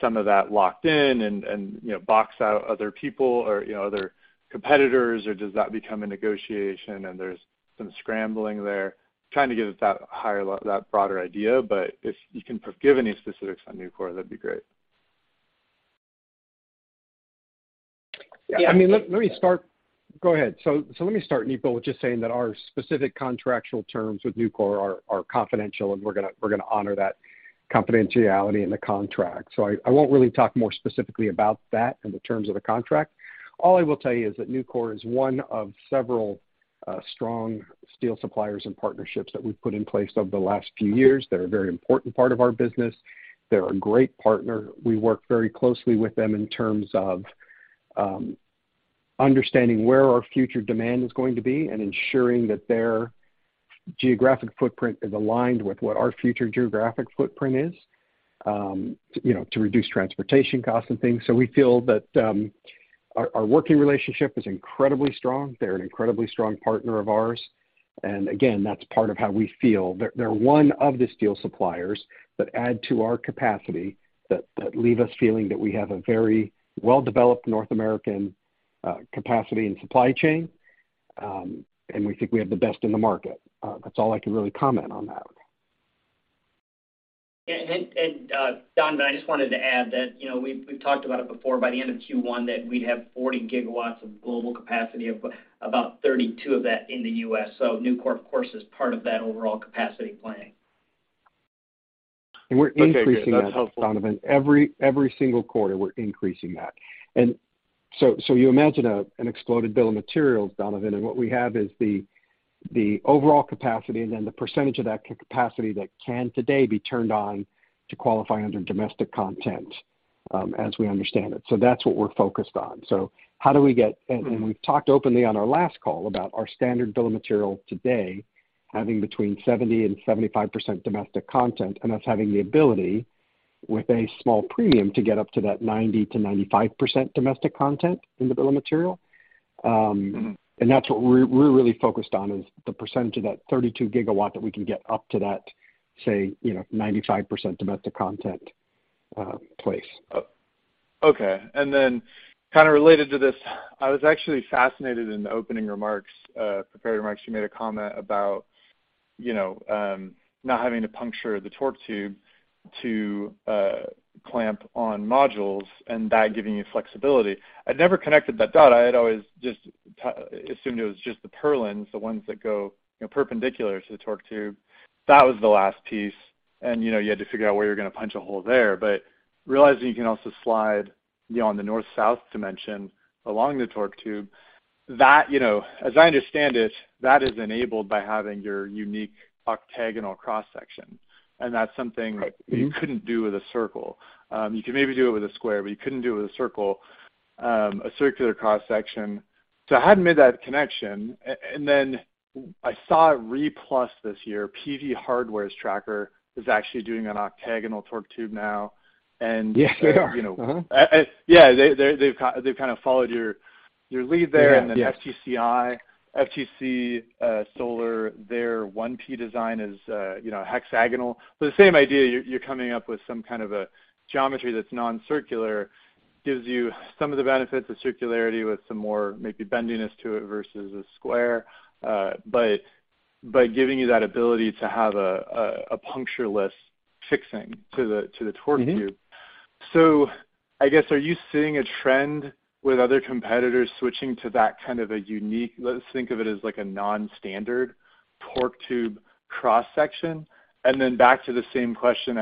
some of that locked in and, you know, box out other people or, you know, other competitors, or does that become a negotiation and there's some scrambling there? Trying to get that higher that broader idea, but if you can give any specifics on Nucor, that'd be great. Yeah. I mean, let me start. Go ahead. Let me start, Nipul, with just saying that our specific contractual terms with Nucor are confidential, and we're gonna honor that confidentiality in the contract. All I will tell you is that Nucor is one of several strong steel suppliers and partnerships that we've put in place over the last few years. They're a very important part of our business. They're a great partner. We work very closely with them in terms of understanding where our future demand is going to be and ensuring that their geographic footprint is aligned with what our future geographic footprint is, you know, to reduce transportation costs and things. We feel that our working relationship is incredibly strong. They're an incredibly strong partner of ours. Again, that's part of how we feel. They're one of the steel suppliers that add to our capacity that leave us feeling that we have a very well-developed North American capacity and supply chain. We think we have the best in the market. That's all I can really comment on that. Yeah. Donovan, I just wanted to add that, you know, we've talked about it before, by the end of Q1, that we'd have 40 GW of global capacity, about 32 of that in the U.S. Nucor, of course, is part of that overall capacity planning. We're increasing that, Donovan. Okay, good. That's helpful. Every single quarter, we're increasing that. You imagine an exploded bill of materials, Donovan, and what we have is the overall capacity and then the percentage of that capacity that can today be turned on to qualify under domestic content, as we understand it. That's what we're focused on. How do we get... We've talked openly on our last call about our standard bill of material today having between 70% and 75% domestic content, and us having the ability with a small premium to get up to that 90% to 95% domestic content in the bill of material. That's what we're really focused on is the percentage of that 32 GW that we can get up to that, say, you know, 95% domestic content, place. Okay. Then kind of related to this, I was actually fascinated in the opening remarks, prepared remarks, you made a comment about, you know, not having to puncture the torque tube to clamp on modules and that giving you flexibility. I'd never connected that dot. I had always just assumed it was just the purlins, the ones that go, you know, perpendicular to the torque tube. That was the last piece. You know, you had to figure out where you're gonna punch a hole there. Realizing you can also slide, you know, on the north-south dimension along the torque tube, that, you know, as I understand it, that is enabled by having your unique octagonal cross-section. That's something Right. Mm-hmm. -you couldn't do with a circle. you can maybe do it with a square, but you couldn't do it with a circle, a circular cross-section. I hadn't made that connection. Then I saw at RE+ this year, PV Hardware's tracker is actually doing an octagonal torque tube now. Yeah, they are. Uh-huh. you know, yeah, they've kind of followed your lead there. They have, yes. FTCI, FTC Solar, their 1P design is, you know, hexagonal. The same idea, you're coming up with some kind of a geometry that's non-circular, gives you some of the benefits of circularity with some more maybe bendiness to it versus a square. but giving you that ability to have a puncture-less fixing to the torque tube. Mm-hmm. I guess, are you seeing a trend with other competitors switching to that kind of a unique, let's think of it as like a non-standard torque tube cross-section? Then back to the same question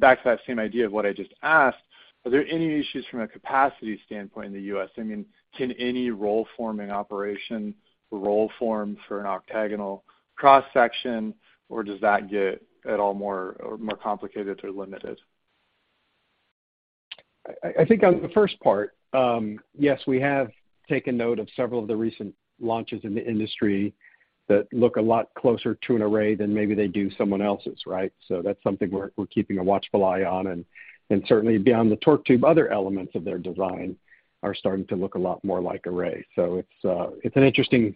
back to that same idea of what I just asked, are there any issues from a capacity standpoint in the U.S.? I mean, can any roll forming operation roll form for an octagonal cross-section, or does that get at all more complicated or limited? I think on the first part, yes, we have taken note of several of the recent launches in the industry that look a lot closer to an Array than maybe they do someone else's, right? That's something we're keeping a watchful eye on. Certainly beyond the torque tube, other elements of their design are starting to look a lot more like Array. It's an interesting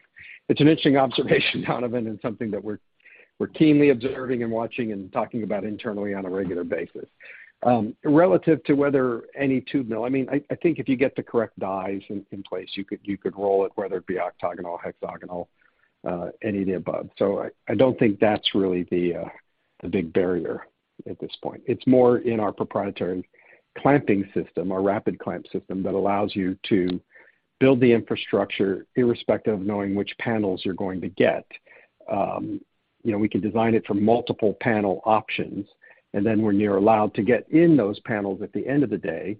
observation, Donovan, and something that we're keenly observing and watching and talking about internally on a regular basis. Relative to whether any tube mill. I mean, I think if you get the correct dies in place, you could roll it, whether it be octagonal, hexagonal, any of the above. I don't think that's really the big barrier at this point. It's more in our proprietary clamping system, our rapid clamp system that allows you to build the infrastructure irrespective of knowing which panels you're going to get. You know, we can design it for multiple panel options, then when you're allowed to get in those panels at the end of the day,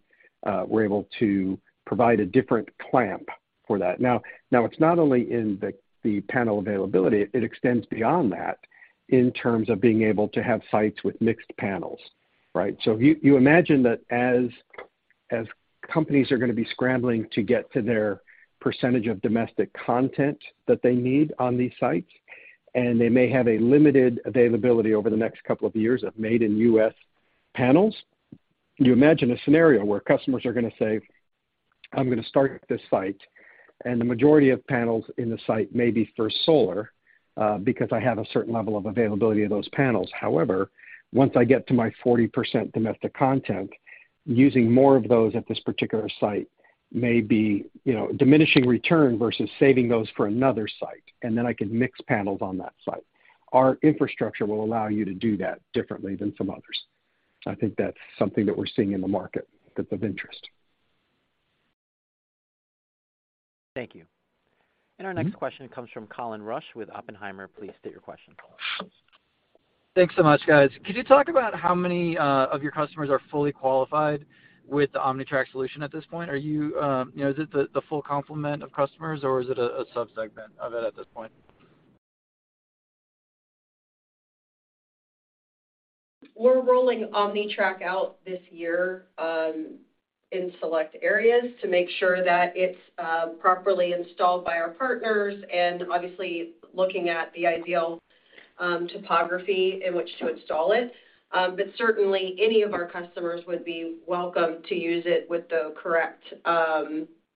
we're able to provide a different clamp for that. Now it's not only in the panel availability, it extends beyond that in terms of being able to have sites with mixed panels, right. You imagine that as companies are gonna be scrambling to get to their percentage of domestic content that they need on these sites, and they may have a limited availability over the next couple of years of made in U.S. panels. You imagine a scenario where customers are gonna say, "I'm gonna start this site, and the majority of panels in the site may be First Solar, because I have a certain level of availability of those panels. However, once I get to my 40% domestic content, using more of those at this particular site may be, you know, diminishing return versus saving those for another site, and then I can mix panels on that site." Our infrastructure will allow you to do that differently than some others. I think that's something that we're seeing in the market that's of interest. Thank you. Mm-hmm. Our next question comes from Colin Rusch with Oppenheimer. Please state your question, Colin. Thanks so much, guys. Could you talk about how many of your customers are fully qualified with the OmniTrack solution at this point? Are you know, is it the full complement of customers, or is it a subsegment of it at this point? We're rolling OmniTrack out this year, in select areas to make sure that it's properly installed by our partners and obviously looking at the ideal topography in which to install it. Certainly any of our customers would be welcome to use it with the correct,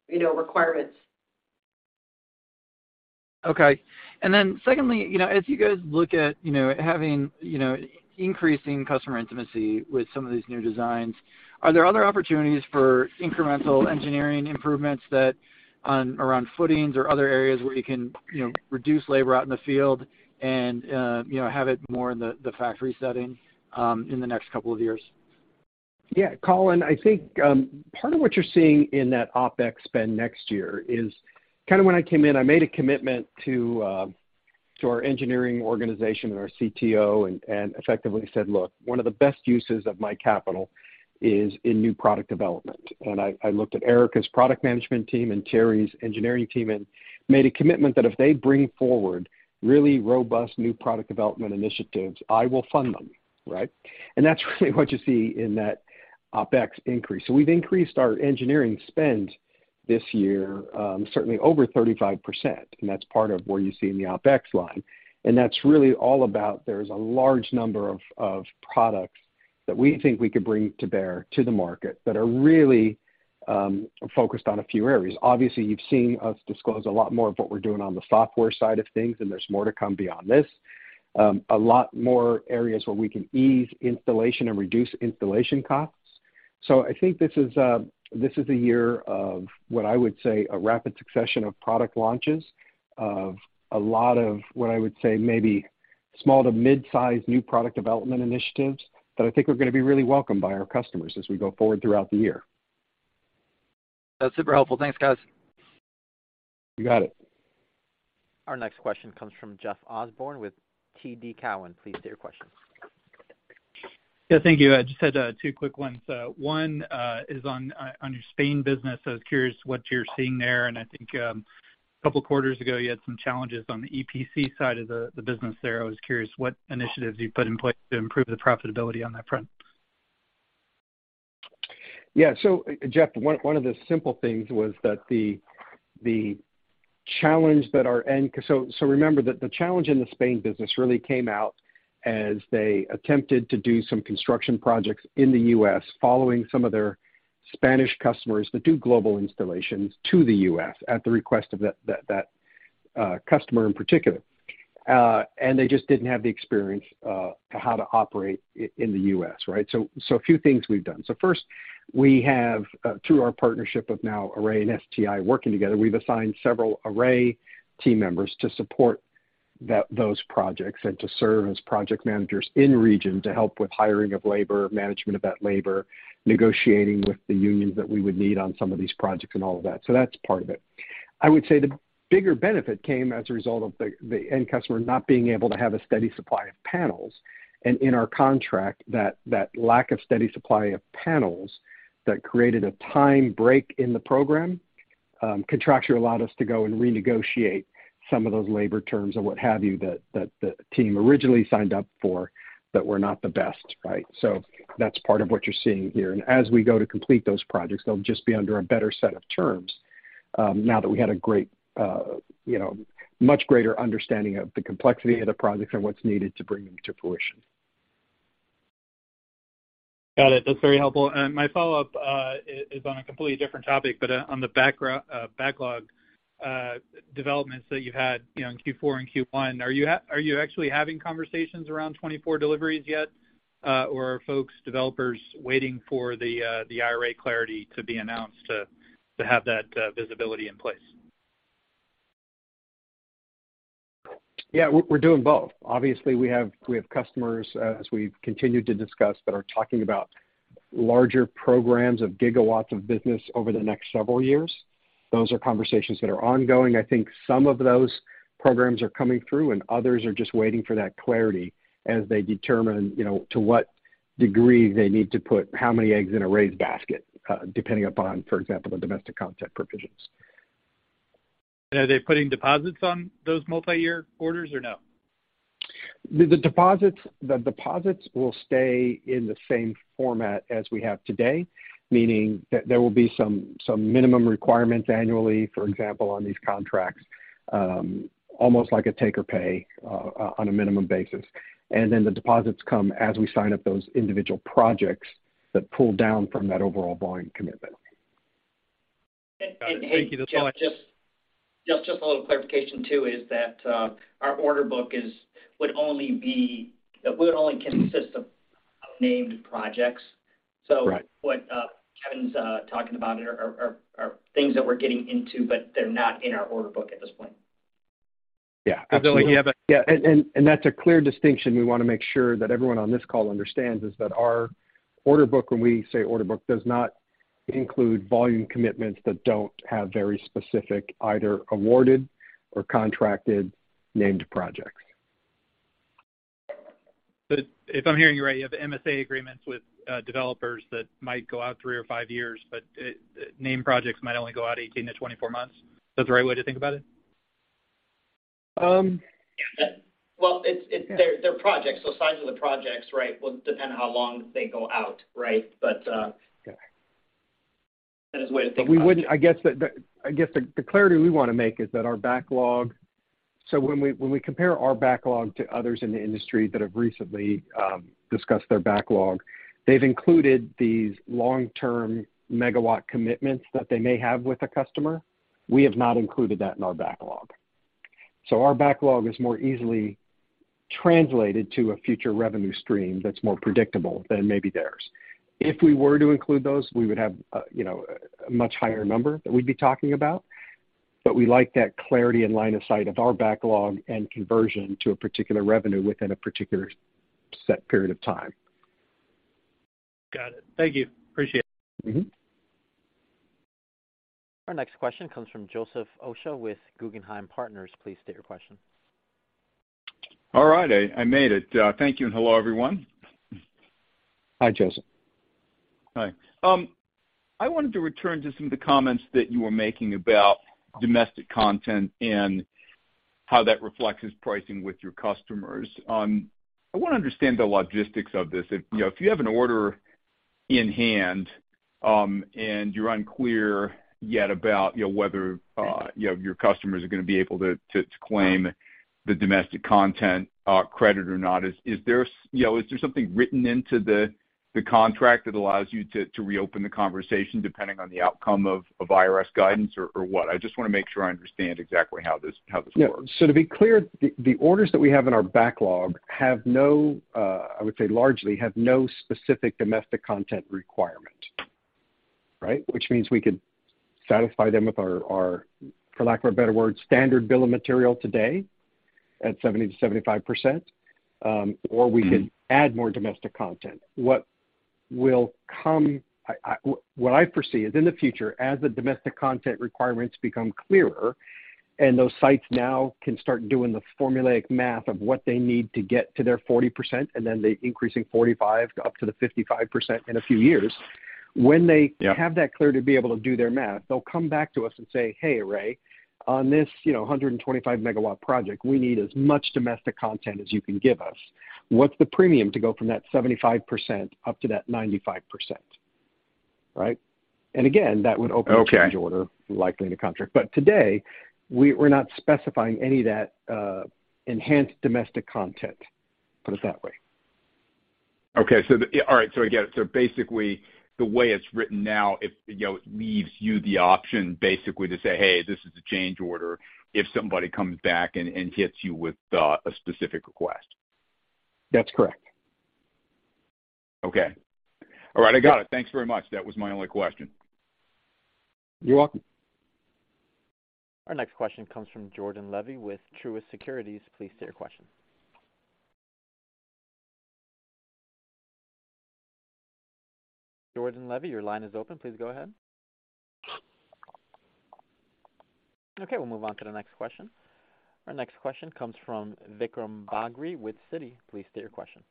you know, requirements. Okay. Secondly, you know, as you guys look at, you know, having, you know, increasing customer intimacy with some of these new designs, are there other opportunities for incremental engineering improvements that on around footings or other areas where you can, you know, reduce labor out in the field and, you know, have it more in the factory setting, in the next couple of years? Colin, I think, part of what you're seeing in that OpEx spend next year is kind of when I came in, I made a commitment to our engineering organization and our CTO and effectively said, "Look, one of the best uses of my capital is in new product development." I looked at Erica's product management team and Terry's engineering team and made a commitment that if they bring forward really robust new product development initiatives, I will fund them, right? That's really what you see in that OpEx increase. We've increased our engineering spend this year, certainly over 35%, and that's part of what you see in the OpEx line. That's really all about there's a large number of products that we think we could bring to bear to the market that are really focused on a few areas. Obviously, you've seen us disclose a lot more of what we're doing on the software side of things, and there's more to come beyond this. A lot more areas where we can ease installation and reduce installation costs. I think this is a year of what I would say a rapid succession of product launches, of a lot of what I would say maybe small to mid-size new product development initiatives that I think are gonna be really welcomed by our customers as we go forward throughout the year. That's super helpful. Thanks, guys. You got it. Our next question comes from Jeff Osborne with TD Cowen. Please state your question. Yeah. Thank you. I just had two quick ones. One is on your Spain business. I was curious what you're seeing there, and I think a couple quarters ago you had some challenges on the EPC side of the business there. I was curious what initiatives you've put in place to improve the profitability on that front. Yeah, Jeff, one of the simple things was that the challenge in the Spain business really came out as they attempted to do some construction projects in the U.S. following some of their Spanish customers that do global installations to the U.S. at the request of that customer in particular. They just didn't have the experience to how to operate in the U.S., right? A few things we've done. First, we have, through our partnership of now Array and STI working together, we've assigned several Array team members to support those projects and to serve as project managers in region to help with hiring of labor, management of that labor, negotiating with the unions that we would need on some of these projects and all of that. That's part of it. I would say the bigger benefit came as a result of the end customer not being able to have a steady supply of panels. In our contract, that lack of steady supply of panels that created a time break in the program, contractually allowed us to go and renegotiate some of those labor terms or what have you that team originally signed up for that were not the best, right? That's part of what you're seeing here. As we go to complete those projects, they'll just be under a better set of terms, now that we had a great, you know, much greater understanding of the complexity of the projects and what's needed to bring them to fruition. Got it. That's very helpful. My follow-up is on a completely different topic, but on the backlog developments that you've had, you know, in Q4 and Q1. Are you actually having conversations around 2024 deliveries yet, or are folks, developers waiting for the IRA clarity to be announced to have that visibility in place? Yeah, we're doing both. Obviously, we have customers, as we've continued to discuss, that are talking about larger programs of gigawatts of business over the next several years. Those are conversations that are ongoing. Others are just waiting for that clarity as they determine, you know, to what degree they need to put how many eggs in Array's basket, depending upon, for example, the domestic content provisions. Are they putting deposits on those multi-year orders or no? The deposits will stay in the same format as we have today, meaning that there will be some minimum requirements annually, for example, on these contracts, almost like a take or pay, on a minimum basis. Then the deposits come as we sign up those individual projects that pull down from that overall volume commitment. Got it. Thank you. Hey, Jeff, just a little clarification, too, is that our order book would only consist of named projects. Right. What Kevin's talking about are things that we're getting into, but they're not in our order book at this point. Yeah, absolutely. You have. Yeah, that's a clear distinction we wanna make sure that everyone on this call understands is that our order book, when we say order book, does not include volume commitments that don't have very specific either awarded or contracted named projects. If I'm hearing you right, you have MSA agreements with developers that might go out 3 or 5 years, but named projects might only go out 18-24 months. Is that the right way to think about it? Um... Yeah, that... Well, it's. Yeah. They're projects, so size of the projects, right, will depend on how long they go out, right? Okay. That is a way to think about it. I guess the clarity we wanna make is that our backlog. When we compare our backlog to others in the industry that have recently discussed their backlog, they've included these long-term megawatt commitments that they may have with a customer. We have not included that in our backlog. Our backlog is more easily translated to a future revenue stream that's more predictable than maybe theirs. If we were to include those, we would have, you know, a much higher number that we'd be talking about. We like that clarity and line of sight of our backlog and conversion to a particular revenue within a particular set period of time. Got it. Thank you. Appreciate it. Mm-hmm. Our next question comes from Joseph Osha with Guggenheim Partners. Please state your question. All right. I made it. Thank you, and hello, everyone. Hi, Joseph. Hi. I wanted to return to some of the comments that you were making about domestic content and how that reflects as pricing with your customers. I wanna understand the logistics of this. If, you know, if you have an order in hand, and you're unclear yet about, you know, whether, you know, your customers are gonna be able to claim the domestic content, credit or not, is there, you know, is there something written into the contract that allows you to reopen the conversation depending on the outcome of IRS guidance or what? I just wanna make sure I understand exactly how this, how this works. Yeah. To be clear, the orders that we have in our backlog have no, I would say largely, have no specific domestic content requirement, right? Which means we could satisfy them with our, for lack of a better word, standard bill of material today at 70%-75%. Mm-hmm. We could add more domestic content. What I foresee is in the future, as the domestic content requirements become clearer and those sites now can start doing the formulaic math of what they need to get to their 40% and then the increasing 45% up to the 55% in a few years. Yeah. Have that clear to be able to do their math, they'll come back to us and say, "Hey, Array, on this, you know, 125 MW project, we need as much domestic content as you can give us. What's the premium to go from that 75% up to that 95%?" Right. Again, that would open- Okay a change order, likely in a contract. Today we're not specifying any of that, enhanced domestic content, put it that way. I get it. Basically, the way it's written now, if, you know, it leaves you the option basically to say, "Hey, this is a change order," if somebody comes back and hits you with a specific request. That's correct. Okay. All right, I got it. Thanks very much. That was my only question. You're welcome. Our next question comes from Jordan Levy with Truist Securities. Please state your question. Jordan Levy, your line is open. Please go ahead. We'll move on to the next question. Our next question comes from Vikram Bagri with Citi. Please state your question.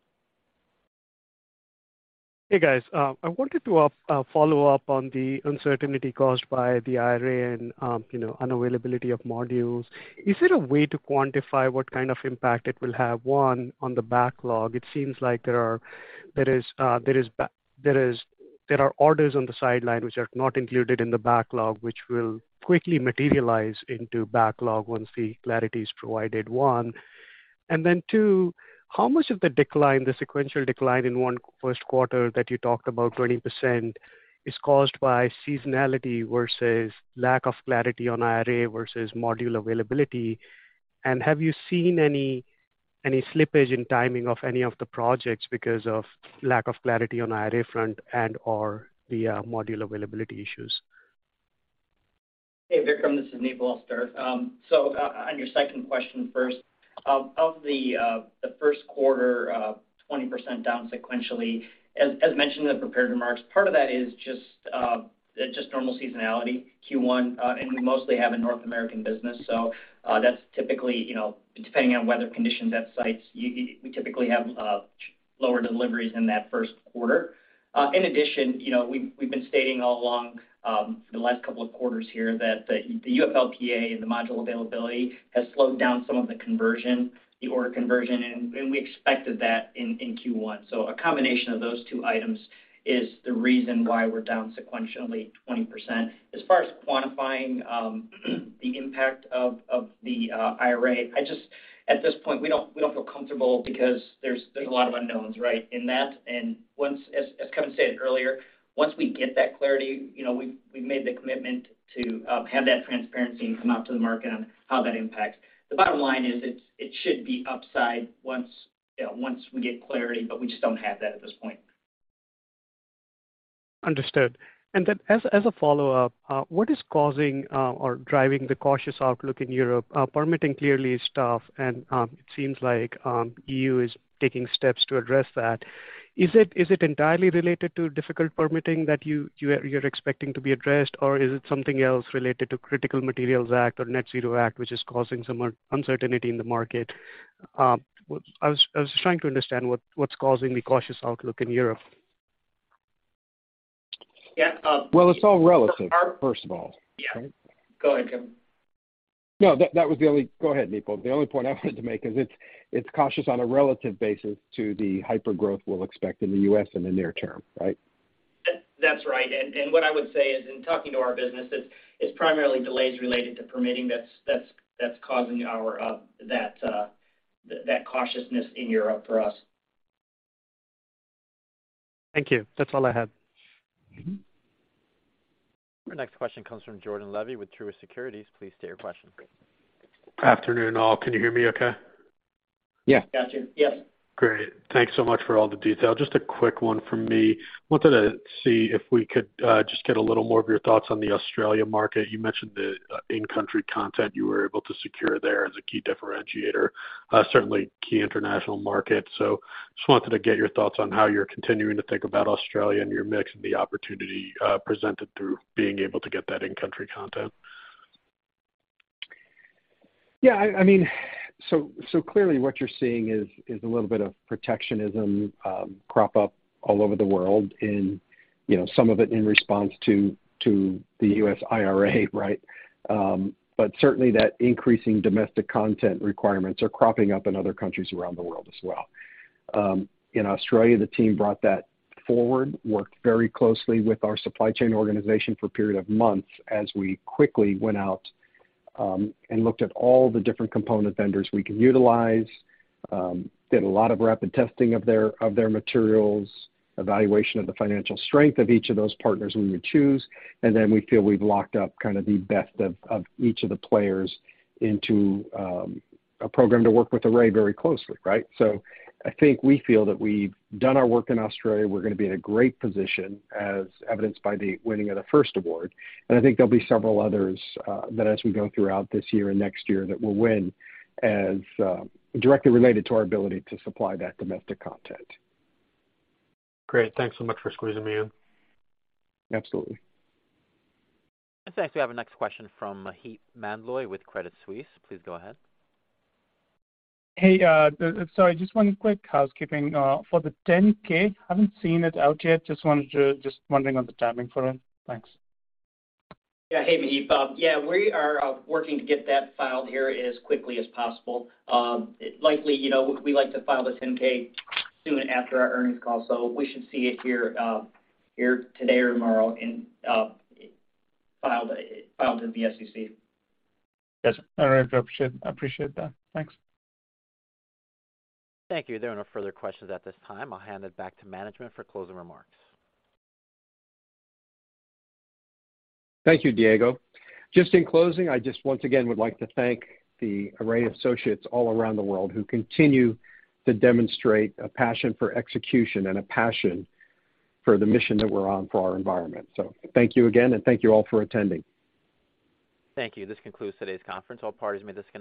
Hey, guys. I wanted to follow up on the uncertainty caused by the IRA and, you know, unavailability of modules. Is there a way to quantify what kind of impact it will have, one, on the backlog? It seems like there are orders on the sideline which are not included in the backlog, which will quickly materialize into backlog once the clarity is provided, one. Two, how much of the decline, the sequential decline in 1st quarter that you talked about, 20%, is caused by seasonality versus lack of clarity on IRA versus module availability? Have you seen any slippage in timing of any of the projects because of lack of clarity on IRA front and/or the module availability issues? Hey, Vikram, this is Nipul Patel. On your second question first. Of the first quarter, 20% down sequentially, as mentioned in the prepared remarks, part of that is just normal seasonality, Q1. We mostly have a North American business, so that's typically, you know, depending on weather conditions at sites, we typically have lower deliveries in that first quarter. In addition, you know, we've been stating all along, the last couple of quarters here that the UFLPA and the module availability has slowed down some of the conversion, the order conversion, and we expected that in Q1. A combination of those two items is the reason why we're down sequentially 20%. As far as quantifying the impact of the IRA. At this point, we don't feel comfortable because there's a lot of unknowns, right? As Kevin said earlier, once we get that clarity, you know, we've made the commitment to have that transparency and come out to the market on how that impacts. The bottom line is it should be upside once, you know, once we get clarity, but we just don't have that at this point. Understood. As, as a follow-up, what is causing or driving the cautious outlook in Europe? Permitting clearly is tough, and it seems like EU is taking steps to address that. Is it entirely related to difficult permitting that you're expecting to be addressed, or is it something else related to Critical Raw Materials Act or Net-Zero Industry Act which is causing some uncertainty in the market? I was trying to understand what's causing the cautious outlook in Europe. Yeah. Well, it's all relative, first of all. Yeah. Go ahead, Kevin. No, that was the only. Go ahead, Nipul. The only point I wanted to make is it's cautious on a relative basis to the hypergrowth we'll expect in the U.S. in the near term, right? That's right. What I would say is in talking to our businesses, it's primarily delays related to permitting that's causing our that cautiousness in Europe for us. Thank you. That's all I had. Our next question comes from Jordan Levy with Truist Securities. Please state your question. Afternoon, all. Can you hear me okay? Yeah. Got you. Yes. Great. Thanks so much for all the detail. Just a quick one from me. Wanted to see if we could, just get a little more of your thoughts on the Australia market. You mentioned the, in-country content you were able to secure there as a key differentiator. Certainly key international market. Just wanted to get your thoughts on how you're continuing to think about Australia and your mix and the opportunity, presented through being able to get that in-country content. I mean, clearly what you're seeing is a little bit of protectionism crop up all over the world in, you know, some of it in response to the U.S. IRA, right? Certainly that increasing domestic content requirements are cropping up in other countries around the world as well. In Australia, the team brought that forward, worked very closely with our supply chain organization for a period of months as we quickly went out and looked at all the different component vendors we can utilize. Did a lot of rapid testing of their materials, evaluation of the financial strength of each of those partners we would choose, and then we feel we've locked up kind of the best of each of the players into a program to work with Array very closely, right? I think we feel that we've done our work in Australia. We're gonna be in a great position, as evidenced by the winning of the first award. I think there'll be several others that as we go throughout this year and next year, that we'll win as directly related to our ability to supply that domestic content. Great. Thanks so much for squeezing me in. Absolutely. Thanks. We have our next question from Maheep Mandloi with Credit Suisse. Please go ahead. Hey, sorry, just one quick housekeeping. For the 10-K, haven't seen it out yet. Just wondering on the timing for it. Thanks. Yeah. Hey, Maheep. Yeah, we are working to get that filed here as quickly as possible. Likely, you know, we like to file the 10-K soon after our earnings call. We should see it here today or tomorrow and filed with the SEC. Yes. All right. Appreciate that. Thanks. Thank you. There are no further questions at this time. I'll hand it back to management for closing remarks. Thank you, Diego. Just in closing, I just once again would like to thank the Array associates all around the world who continue to demonstrate a passion for execution and a passion for the mission that we're on for our environment. Thank you again, and thank you all for attending. Thank you. This concludes today's conference. All parties may disconnect.